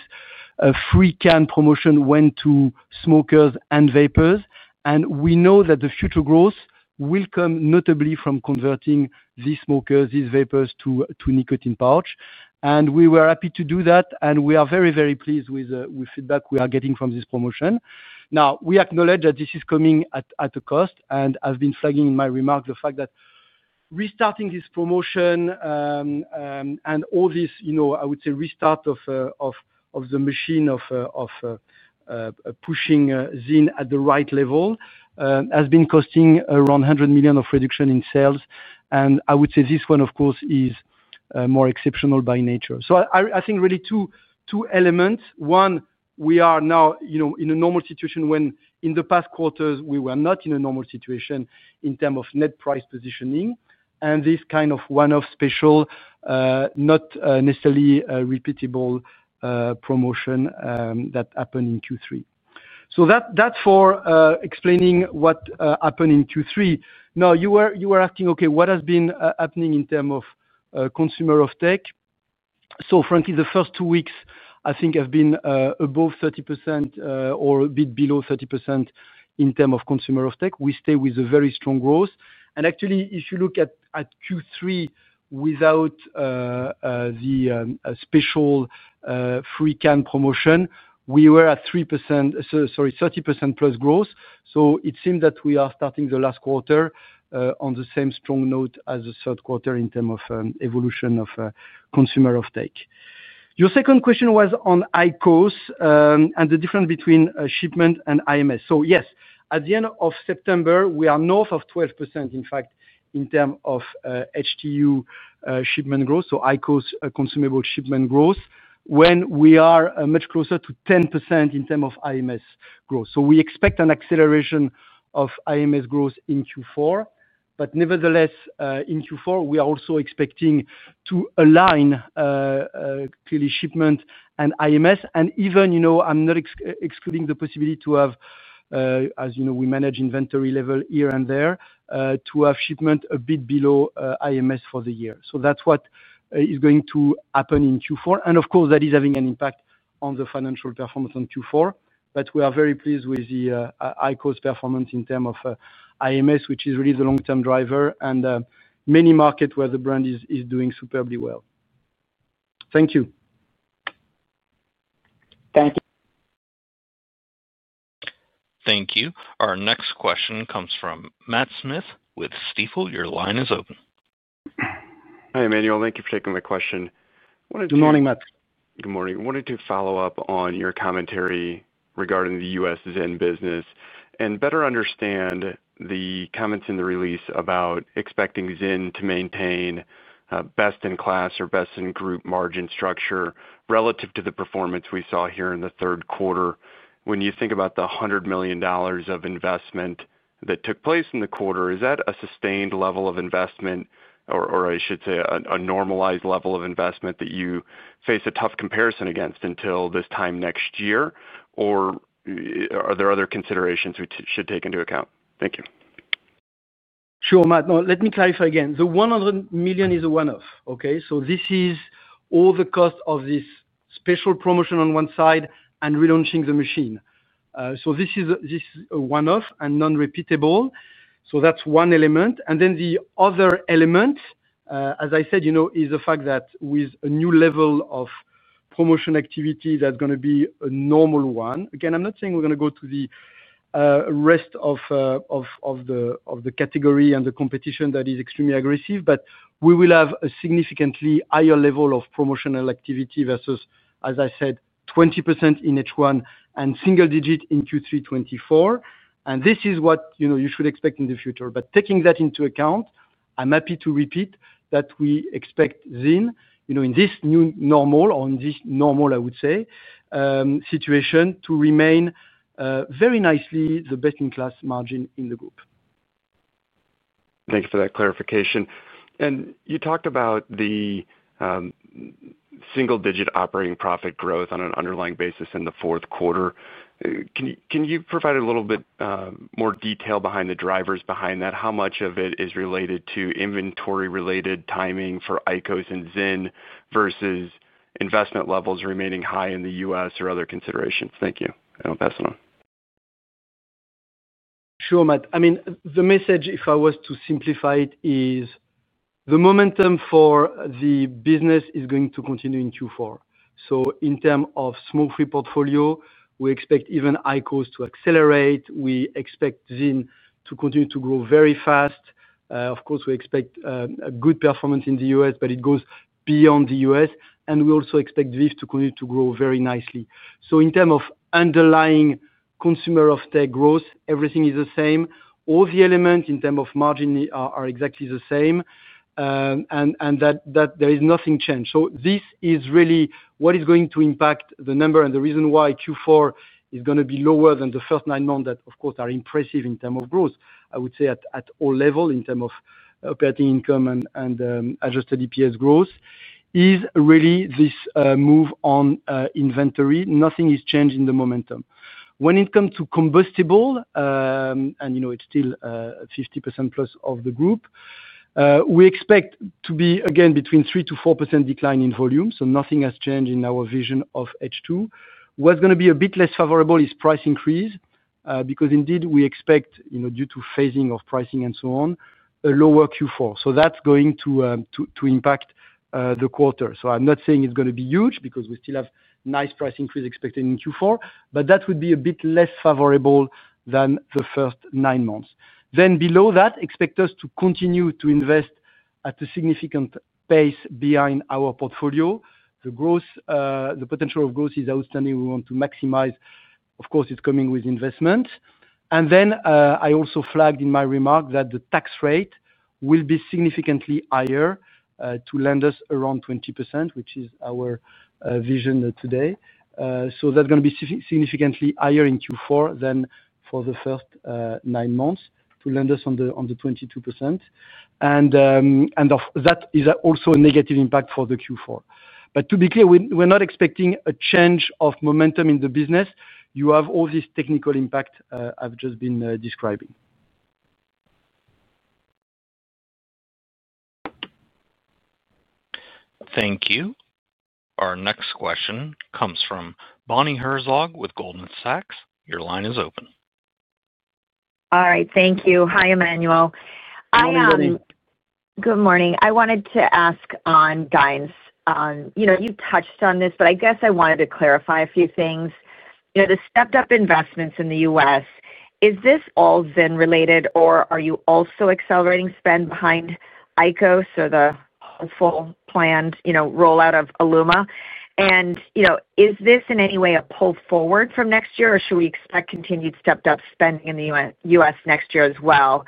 C: free can promotion went to smokers and vapers. We know that the future growth will come notably from converting these smokers, these vapers to nicotine pouch. We were happy to do that, and we are very, very pleased with the feedback we are getting from this promotion. We acknowledge that this is coming at a cost, and I've been flagging in my remark the fact that restarting this promotion and all this, you know, I would say, restart of the machine of pushing ZYN at the right level has been costing around $100 million of reduction in sales. I would say this one, of course, is more exceptional by nature. I think really two elements. One, we are now in a normal situation when in the past quarters we were not in a normal situation in terms of net price positioning, and this kind of one-off special, not necessarily repeatable promotion that happened in Q3. That is for explaining what happened in Q3. You were asking, okay, what has been happening in terms of consumer off-take? Frankly, the first two weeks, I think, have been above 30% or a bit below 30% in terms of consumer off-take. We stay with a very strong growth. Actually, if you look at Q3 without the special free can promotion, we were at 30%+ growth. It seems that we are starting the last quarter on the same strong note as the third quarter in terms of evolution of consumer off-take. Your second question was on IQOS and the difference between shipment and IMS. Yes, at the end of September, we are north of 12%, in fact, in terms of HTU shipment growth, so IQOS consumable shipment growth, when we are much closer to 10% in terms of IMS growth. We expect an acceleration of IMS growth in Q4. Nevertheless, in Q4, we are also expecting to align clearly shipment and IMS. I'm not excluding the possibility to have, as you know, we manage inventory level here and there, to have shipment a bit below IMS for the year. That is what is going to happen in Q4. Of course, that is having an impact on the financial performance on Q4. We are very pleased with the IQOS performance in terms of IMS, which is really the long-term driver and many markets where the brand is doing superbly well. Thank you.
D: Thank you.
A: Thank you. Our next question comes from Matt Smith with Stifel. Your line is open.
E: Hi, Emmanuel. Thank you for taking my question.
C: Good morning, Matt.
E: Good morning. I wanted to follow up on your commentary regarding the U.S. ZYN business and better understand the comments in the release about expecting ZYN to maintain a best-in-class or best-in-group margin structure relative to the performance we saw here in the third quarter. When you think about the $100 million of investment that took place in the quarter, is that a sustained level of investment, or I should say a normalized level of investment that you face a tough comparison against until this time next year? Are there other considerations we should take into account? Thank you.
C: Sure, Matt. No, let me clarify again. The $100 million is a one-off, okay? This is all the cost of this special promotion on one side and relaunching the machine. This is a one-off and non-repeatable. That's one element. The other element, as I said, is the fact that with a new level of promotion activity, that's going to be a normal one. I'm not saying we're going to go to the rest of the category and the competition that is extremely aggressive, but we will have a significantly higher level of promotional activity versus, as I said, 20% in H1 and single-digit in Q3 2024. This is what you should expect in the future. Taking that into account, I'm happy to repeat that we expect ZYN, in this new normal, or in this normal, I would say, situation to remain very nicely the best-in-class margin in the group.
E: Thank you for that clarification. You talked about the single-digit operating profit growth on an underlying basis in the fourth quarter. Can you provide a little bit more detail behind the drivers behind that? How much of it is related to inventory-related timing for IQOS and ZYN versus investment levels remaining high in the U.S. or other considerations? Thank you. I'll pass it on.
C: Sure, Matt. I mean, the message, if I was to simplify it, is the momentum for the business is going to continue in Q4. In terms of smoke-free portfolio, we expect even IQOS to accelerate. We expect ZYN to continue to grow very fast. Of course, we expect a good performance in the U.S., but it goes beyond the U.S., and we also expect VEEV to continue to grow very nicely. In terms of underlying consumer off-take growth, everything is the same. All the elements in terms of margin are exactly the same, and there is nothing changed. This is really what is going to impact the number and the reason why Q4 is going to be lower than the first nine months that, of course, are impressive in terms of growth. I would say at all levels in terms of operating income and adjusted EPS growth is really this move on inventory. Nothing has changed in the momentum. When it comes to combustible, and you know, it's still 50%+ of the group, we expect to be again between 3%-4% decline in volume. Nothing has changed in our vision of H2. What is going to be a bit less favorable is price increase because indeed we expect, due to phasing of pricing and so on, a lower Q4. That is going to impact the quarter. I'm not saying it's going to be huge because we still have nice price increase expected in Q4, but that would be a bit less favorable than the first nine months. Below that, expect us to continue to invest at a significant pace behind our portfolio. The potential of growth is outstanding. We want to maximize, of course, it's coming with investments. I also flagged in my remark that the tax rate will be significantly higher to lend us around 20%, which is our vision today. That is going to be significantly higher in Q4 than for the first nine months to lend us on the 22%. That is also a negative impact for the Q4. To be clear, we're not expecting a change of momentum in the business. You have all this technical impact I've just been describing.
A: Thank you. Our next question comes from Bonnie Herzog with Goldman Sachs. Your line is open.
F: All right. Thank you. Hi, Emmanuel.
C: Hi, Bonnie.
F: Good morning. I wanted to ask on DINS. You touched on this, but I guess I wanted to clarify a few things. The stepped-up investments in the U.S., is this all ZYN-related, or are you also accelerating spend behind IQOS or the hopeful planned rollout of IQOS Illuma? Is this in any way a pull forward from next year, or should we expect continued stepped-up spending in the U.S. next year as well?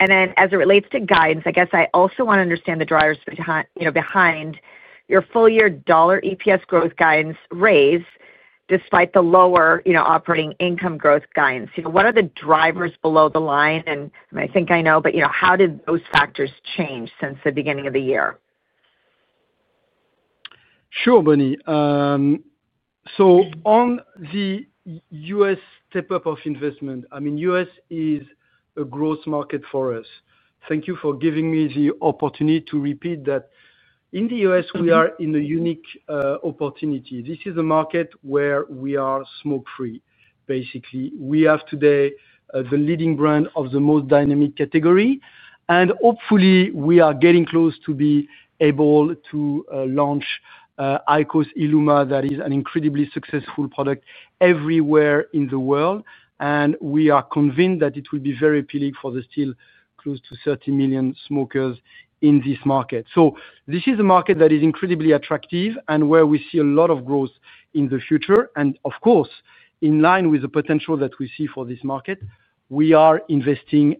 F: As it relates to DINS, I also want to understand the drivers behind your full-year dollar EPS growth guidance raise despite the lower operating income growth guidance. What are the drivers below the line? I think I know, but how did those factors change since the beginning of the year?
C: Sure, Bonnie. On the U.S. step-up of investment, I mean, U.S. is a growth market for us. Thank you for giving me the opportunity to repeat that. In the U.S., we are in a unique opportunity. This is a market where we are smoke-free, basically. We have today the leading brand of the most dynamic category. Hopefully, we are getting close to be able to launch IQOS Illuma, that is an incredibly successful product everywhere in the world. We are convinced that it will be very appealing for the still close to 30 million smokers in this market. This is a market that is incredibly attractive and where we see a lot of growth in the future. Of course, in line with the potential that we see for this market, we are investing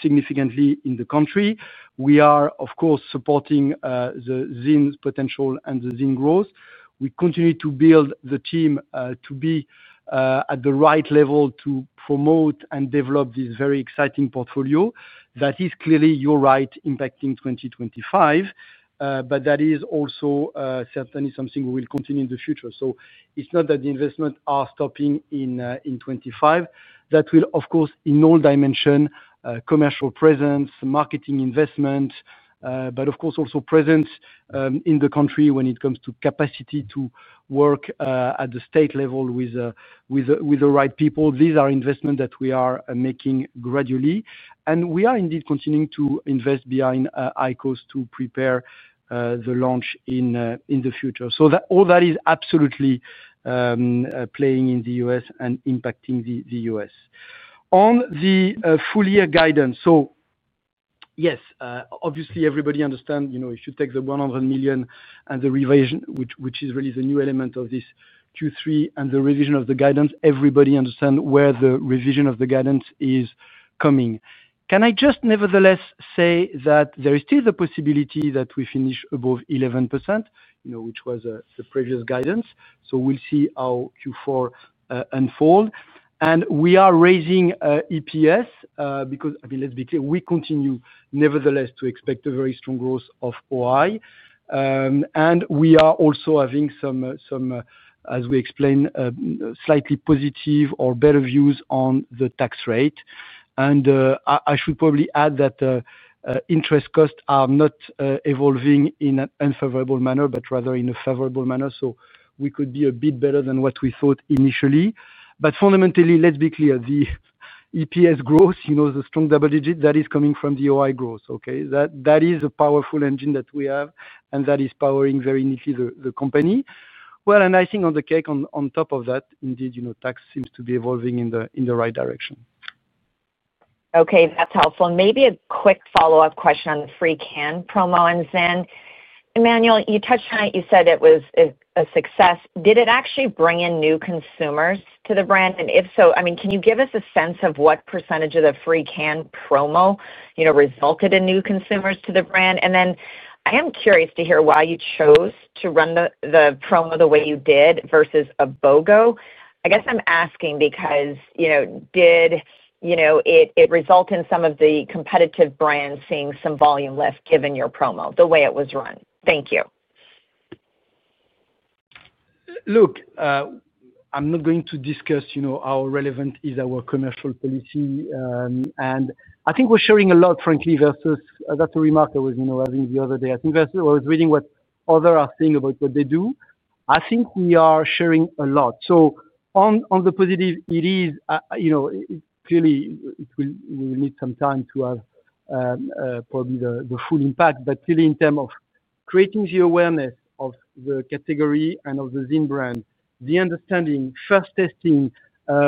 C: significantly in the country. We are, of course, supporting the ZYN potential and the ZYN growth. We continue to build the team to be at the right level to promote and develop this very exciting portfolio that is clearly, you are right, impacting 2025. That is also certainly something we will continue in the future. It is not that the investments are stopping in 2025. That will, of course, in all dimensions, commercial presence, marketing investments, but also presence in the country when it comes to capacity to work at the state level with the right people. These are investments that we are making gradually. We are indeed continuing to invest behind IQOS to prepare the launch in the future. All that is absolutely playing in the U.S. and impacting the U.S. On the full-year guidance, yes, obviously, everybody understands, if you take the $100 million and the revision, which is really the new element of this Q3 and the revision of the guidance, everybody understands where the revision of the guidance is coming. Can I just nevertheless say that there is still the possibility that we finish above 11%, which was the previous guidance? We will see how Q4 unfolds. We are raising EPS because, let's be clear, we continue nevertheless to expect a very strong growth of OI. We are also having some, as we explain, slightly positive or better views on the tax rate. I should probably add that interest costs are not evolving in an unfavorable manner, but rather in a favorable manner. We could be a bit better than what we thought initially. Fundamentally, let's be clear, the EPS growth, the strong double-digit that is coming from the OI growth, that is a powerful engine that we have, and that is powering very neatly the company. I think on the cake, on top of that, indeed, tax seems to be evolving in the right direction.
F: Okay, that's helpful. Maybe a quick follow-up question on the free can promo on ZYN. Emmanuel, you touched on it. You said it was a success. Did it actually bring in new consumers to the brand? If so, can you give us a sense of what percentage of the free can promo resulted in new consumers to the brand? I am curious to hear why you chose to run the promo the way you did versus a BOGO. I guess I'm asking because did it result in some of the competitive brands seeing some volume lift given your promo, the way it was run? Thank you.
C: Look, I'm not going to discuss how relevant is our commercial policy. I think we're sharing a lot, frankly, versus that's a remark I was having the other day. I think I was reading what others are saying about what they do. I think we are sharing a lot. On the positive, it is clearly we will need some time to have probably the full impact. Clearly, in terms of creating the awareness of the category and of the ZYN brand, the understanding, first testing,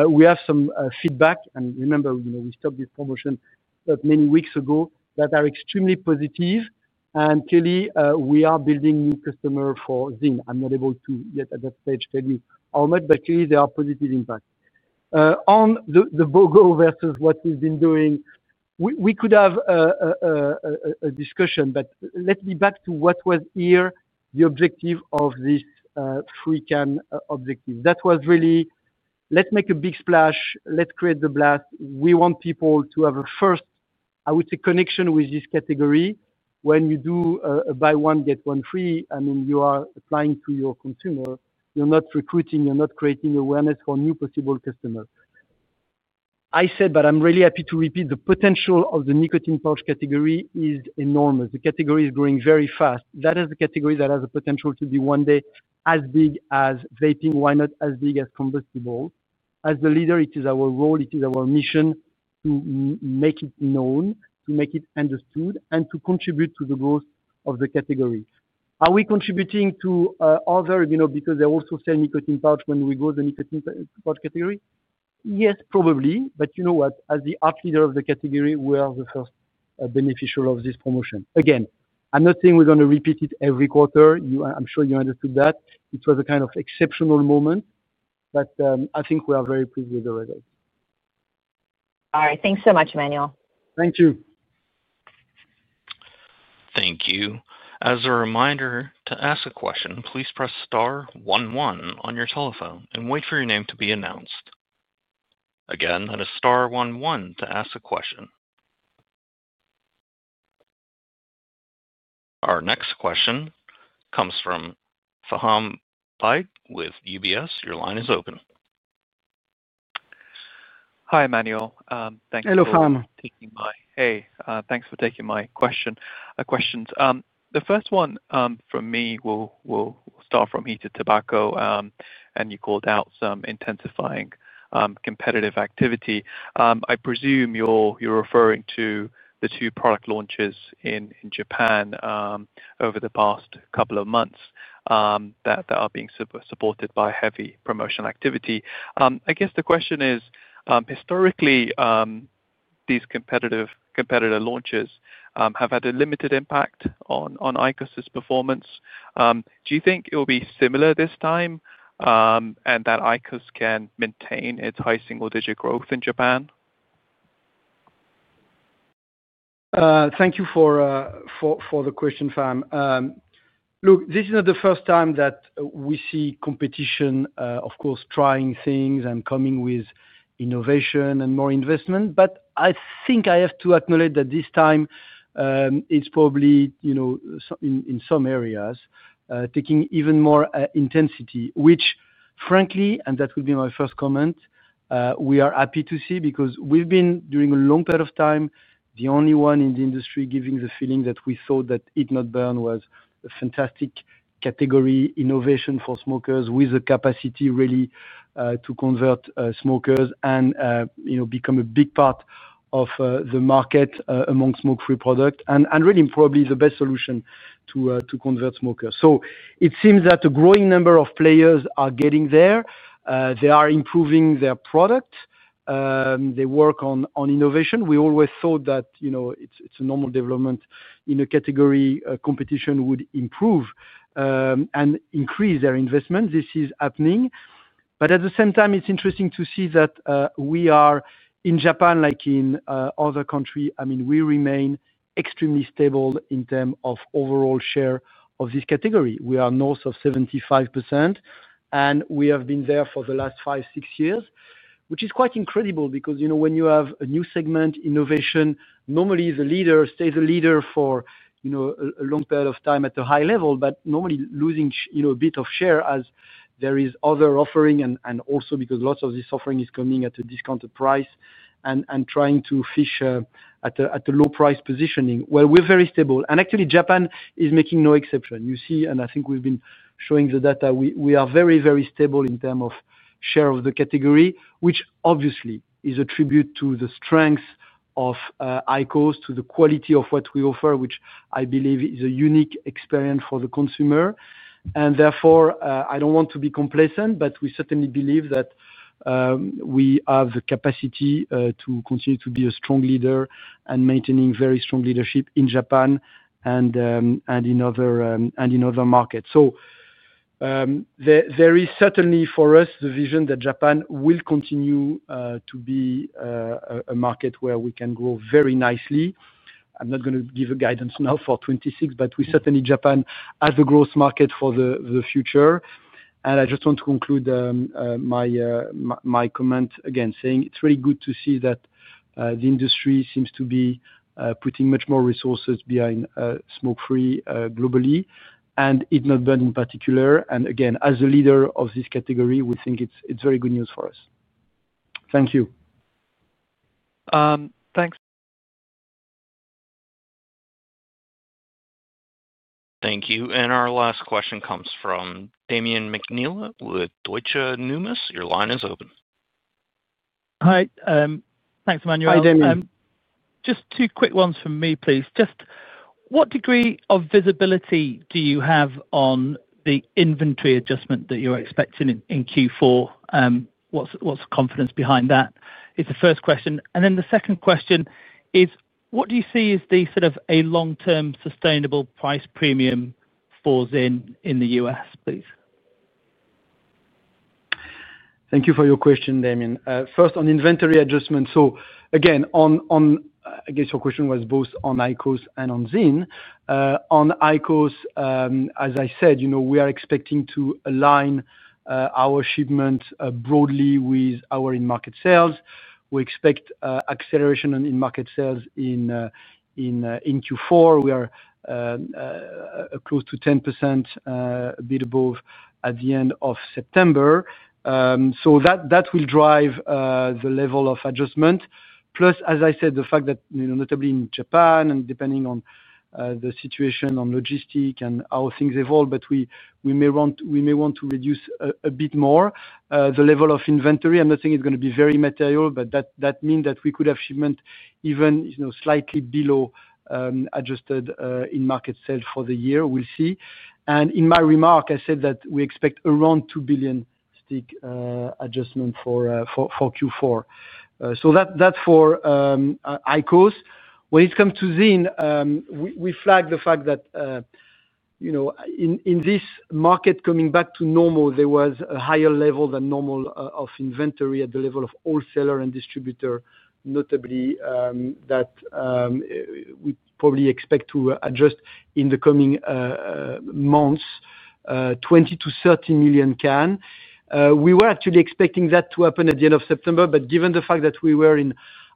C: we have some feedback. Remember, we stopped this promotion many weeks ago that are extremely positive. Clearly, we are building new customers for ZYN. I'm not able to yet at that stage tell you how much, but clearly there are positive impacts. On the BOGO versus what we've been doing, we could have a discussion, but let's be back to what was here the objective of this free can objective. That was really, let's make a big splash, let's create the blast. We want people to have a first, I would say, connection with this category. When you do a buy one, get one free, I mean, you are applying to your consumer. You're not recruiting, you're not creating awareness for new possible customers. I said, but I'm really happy to repeat, the potential of the nicotine pouch category is enormous. The category is growing very fast. That is the category that has the potential to be one day as big as vaping, why not as big as combustibles. As the leader, it is our role, it is our mission to make it known, to make it understood, and to contribute to the growth of the category. Are we contributing to others, because they also sell nicotine pouch when we grow the nicotine pouch category? Yes, probably. You know what? As the leader of the category, we are the first beneficiary of this promotion. Again, I'm not saying we're going to repeat it every quarter. I'm sure you understood that. It was a kind of exceptional moment. I think we are very pleased with the results.
F: All right. Thanks so much, Emmanuel.
C: Thank you.
A: Thank you. As a reminder, to ask a question, please press star one one on your telephone and wait for your name to be announced. Again, that is star one one to ask a question. Our next question comes from Faham Baig with UBS. Your line is open.
G: Hi, Emmanuel. Thank you for taking my question.
C: Hello, Faham.
G: Hey, thanks for taking my questions. The first one from me will start from heated tobacco, and you called out some intensifying competitive activity. I presume you're referring to the two product launches in Japan over the past couple of months that are being supported by heavy promotional activity. I guess the question is, historically, these competitor launches have had a limited impact on IQOS's performance. Do you think it will be similar this time and that IQOS can maintain its high single-digit growth in Japan?
C: Thank you for the question, Faham. Look, this is not the first time that we see competition, of course, trying things and coming with innovation and more investment. I think I have to acknowledge that this time it's probably, you know, in some areas taking even more intensity, which, frankly, and that would be my first comment, we are happy to see because we've been, during a long period of time, the only one in the industry giving the feeling that we thought that Heat Not Burn was a fantastic category innovation for smokers with the capacity really to convert smokers and, you know, become a big part of the market among smoke-free products and really probably the best solution to convert smokers. It seems that a growing number of players are getting there. They are improving their product. They work on innovation. We always thought that, you know, it's a normal development in a category competition would improve and increase their investment. This is happening. At the same time, it's interesting to see that we are in Japan, like in other countries, I mean, we remain extremely stable in terms of overall share of this category. We are north of 75%, and we have been there for the last five, six years, which is quite incredible because, you know, when you have a new segment innovation, normally the leader stays a leader for, you know, a long period of time at a high level, but normally losing, you know, a bit of share as there is other offering and also because lots of this offering is coming at a discounted price and trying to fish at a low-price positioning. We are very stable. Actually, Japan is making no exception. You see, and I think we've been showing the data, we are very, very stable in terms of share of the category, which obviously is a tribute to the strengths of IQOS, to the quality of what we offer, which I believe is a unique experience for the consumer. Therefore, I don't want to be complacent, but we certainly believe that we have the capacity to continue to be a strong leader and maintain very strong leadership in Japan and in other markets. There is certainly for us the vision that Japan will continue to be a market where we can grow very nicely. I'm not going to give a guidance now for 2026, but we certainly, Japan as a growth market for the future. I just want to conclude my comment again, saying it's really good to see that the industry seems to be putting much more resources behind smoke-free globally and Heat Not Burn in particular. Again, as a leader of this category, we think it's very good news for us. Thank you.
G: Thanks.
A: Thank you. Our last question comes from Damian McNeela with Deutsche Numis. Your line is open.
H: Hi. Thanks, Emmanuel.
C: Hi, Damian.
H: Just two quick ones from me, please. What degree of visibility do you have on the inventory adjustment that you're expecting in Q4? What's the confidence behind that? That's the first question. The second question is, what do you see as the sort of long-term sustainable price premium for ZYN in the U.S., please?
C: Thank you for your question, Damian. First, on inventory adjustment. Again, I guess your question was both on IQOS and on ZYN. On IQOS, as I said, we are expecting to align our shipment broadly with our in-market sales. We expect acceleration in in-market sales in Q4. We are close to 10%, a bit above at the end of September. That will drive the level of adjustment. , as I said, the fact that notably in Japan and depending on the situation on logistics and how things evolve, we may want to reduce a bit more the level of inventory. I'm not saying it's going to be very material, but that means that we could have shipment even slightly below adjusted in-market sales for the year. We'll see. In my remark, I said that we expect around $2 billion adjustment for Q4. That's for IQOS. When it comes to ZYN, we flag the fact that in this market coming back to normal, there was a higher level than normal of inventory at the level of wholesaler and distributor, notably that we probably expect to adjust in the coming months, 20-30 million can. We were actually expecting that to happen at the end of September, but given the fact that we were in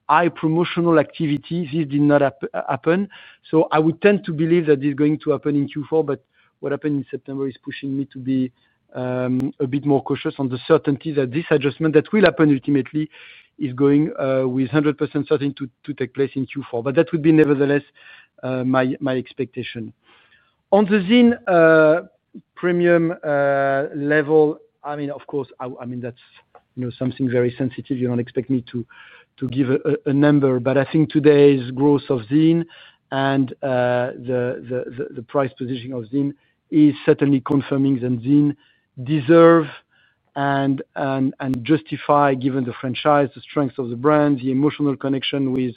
C: high promotional activity, this did not happen. I would tend to believe that it's going to happen in Q4. What happened in September is pushing me to be a bit more cautious on the certainty that this adjustment that will happen ultimately is going with 100% certainty to take place in Q4. That would be nevertheless my expectation. On the ZYN premium level, of course, that's something very sensitive. You don't expect me to give a number, but I think today's growth of ZYN and the price positioning of ZYN is certainly confirming. Didn't deserve and justify, given the franchise, the strength of the brand, the emotional connection with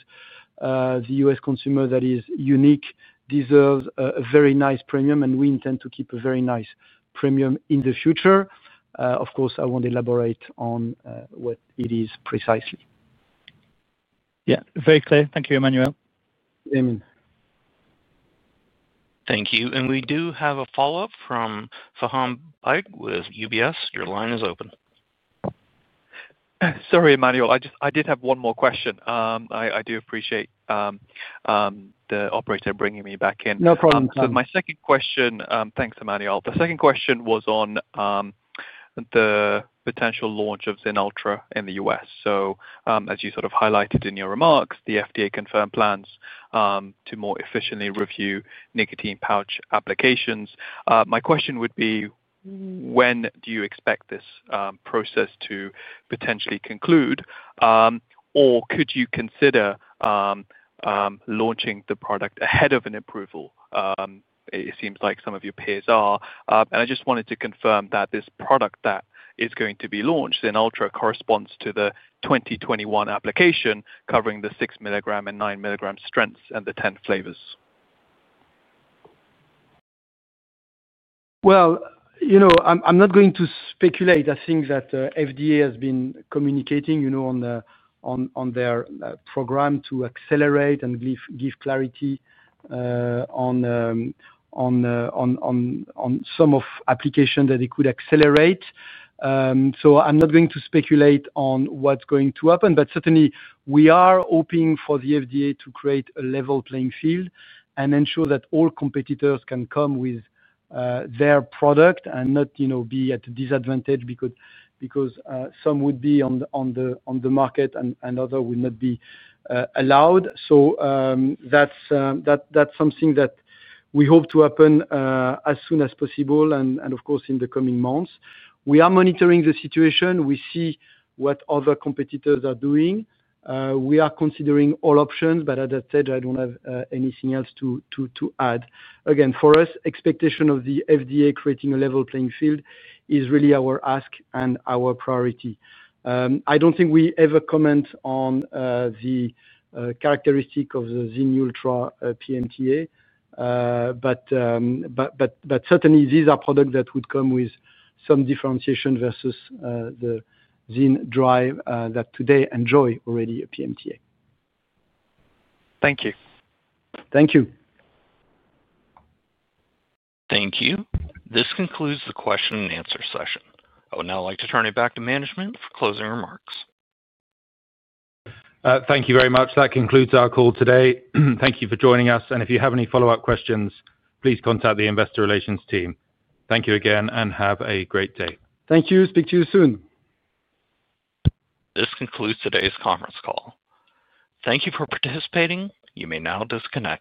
C: the U.S. consumer that is unique, deserves a very nice premium. We intend to keep a very nice premium in the future. Of course, I won't elaborate on what it is precisely.
H: Yeah, very clear. Thank you, Emmanuel.
A: Amen. Thank you. We do have a follow-up from Faham Baig with UBS. Your line is open.
G: Sorry, Emmanuel. I just had one more question. I do appreciate the operator bringing me back in.
C: No problem, Faham.
G: My second question, thanks, Emmanuel. The second question was on the potential launch of ZYN Ultra in the U.S. As you sort of highlighted in your remarks, the FDA confirmed plans to more efficiently review nicotine pouch applications. My question would be, when do you expect this process to potentially conclude? Could you consider launching the product ahead of an approval? It seems like some of your peers are. I just wanted to confirm that this product that is going to be launched, ZYN Ultra, corresponds to the 2021 application covering the 6 mg and 9 mg strengths and the 10 flavors.
C: I'm not going to speculate. I think that the FDA has been communicating on their program to accelerate and give clarity on some of the applications that it could accelerate. I'm not going to speculate on what's going to happen. Certainly, we are hoping for the FDA to create a level playing field and ensure that all competitors can come with their product and not be at a disadvantage because some would be on the market and others would not be allowed. That's something that we hope to happen as soon as possible and, of course, in the coming months. We are monitoring the situation. We see what other competitors are doing. We are considering all options. As I said, I don't have anything else to add. Again, for us, expectation of the FDA creating a level playing field is really our ask and our priority. I don't think we ever comment on the characteristic of the ZYN Ultra PMTA, but certainly, these are products that would come with some differentiation versus the ZYN dry that today enjoy already a PMTA.
G: Thank you.
C: Thank you.
A: Thank you. This concludes the question-and-answer session. I would now like to turn it back to management for closing remarks.
B: Thank you very much. That concludes our call today. Thank you for joining us. If you have any follow-up questions, please contact the Investor Relations team. Thank you again and have a great day.
C: Thank you. Speak to you soon.
A: This concludes today's conference call. Thank you for participating. You may now disconnect.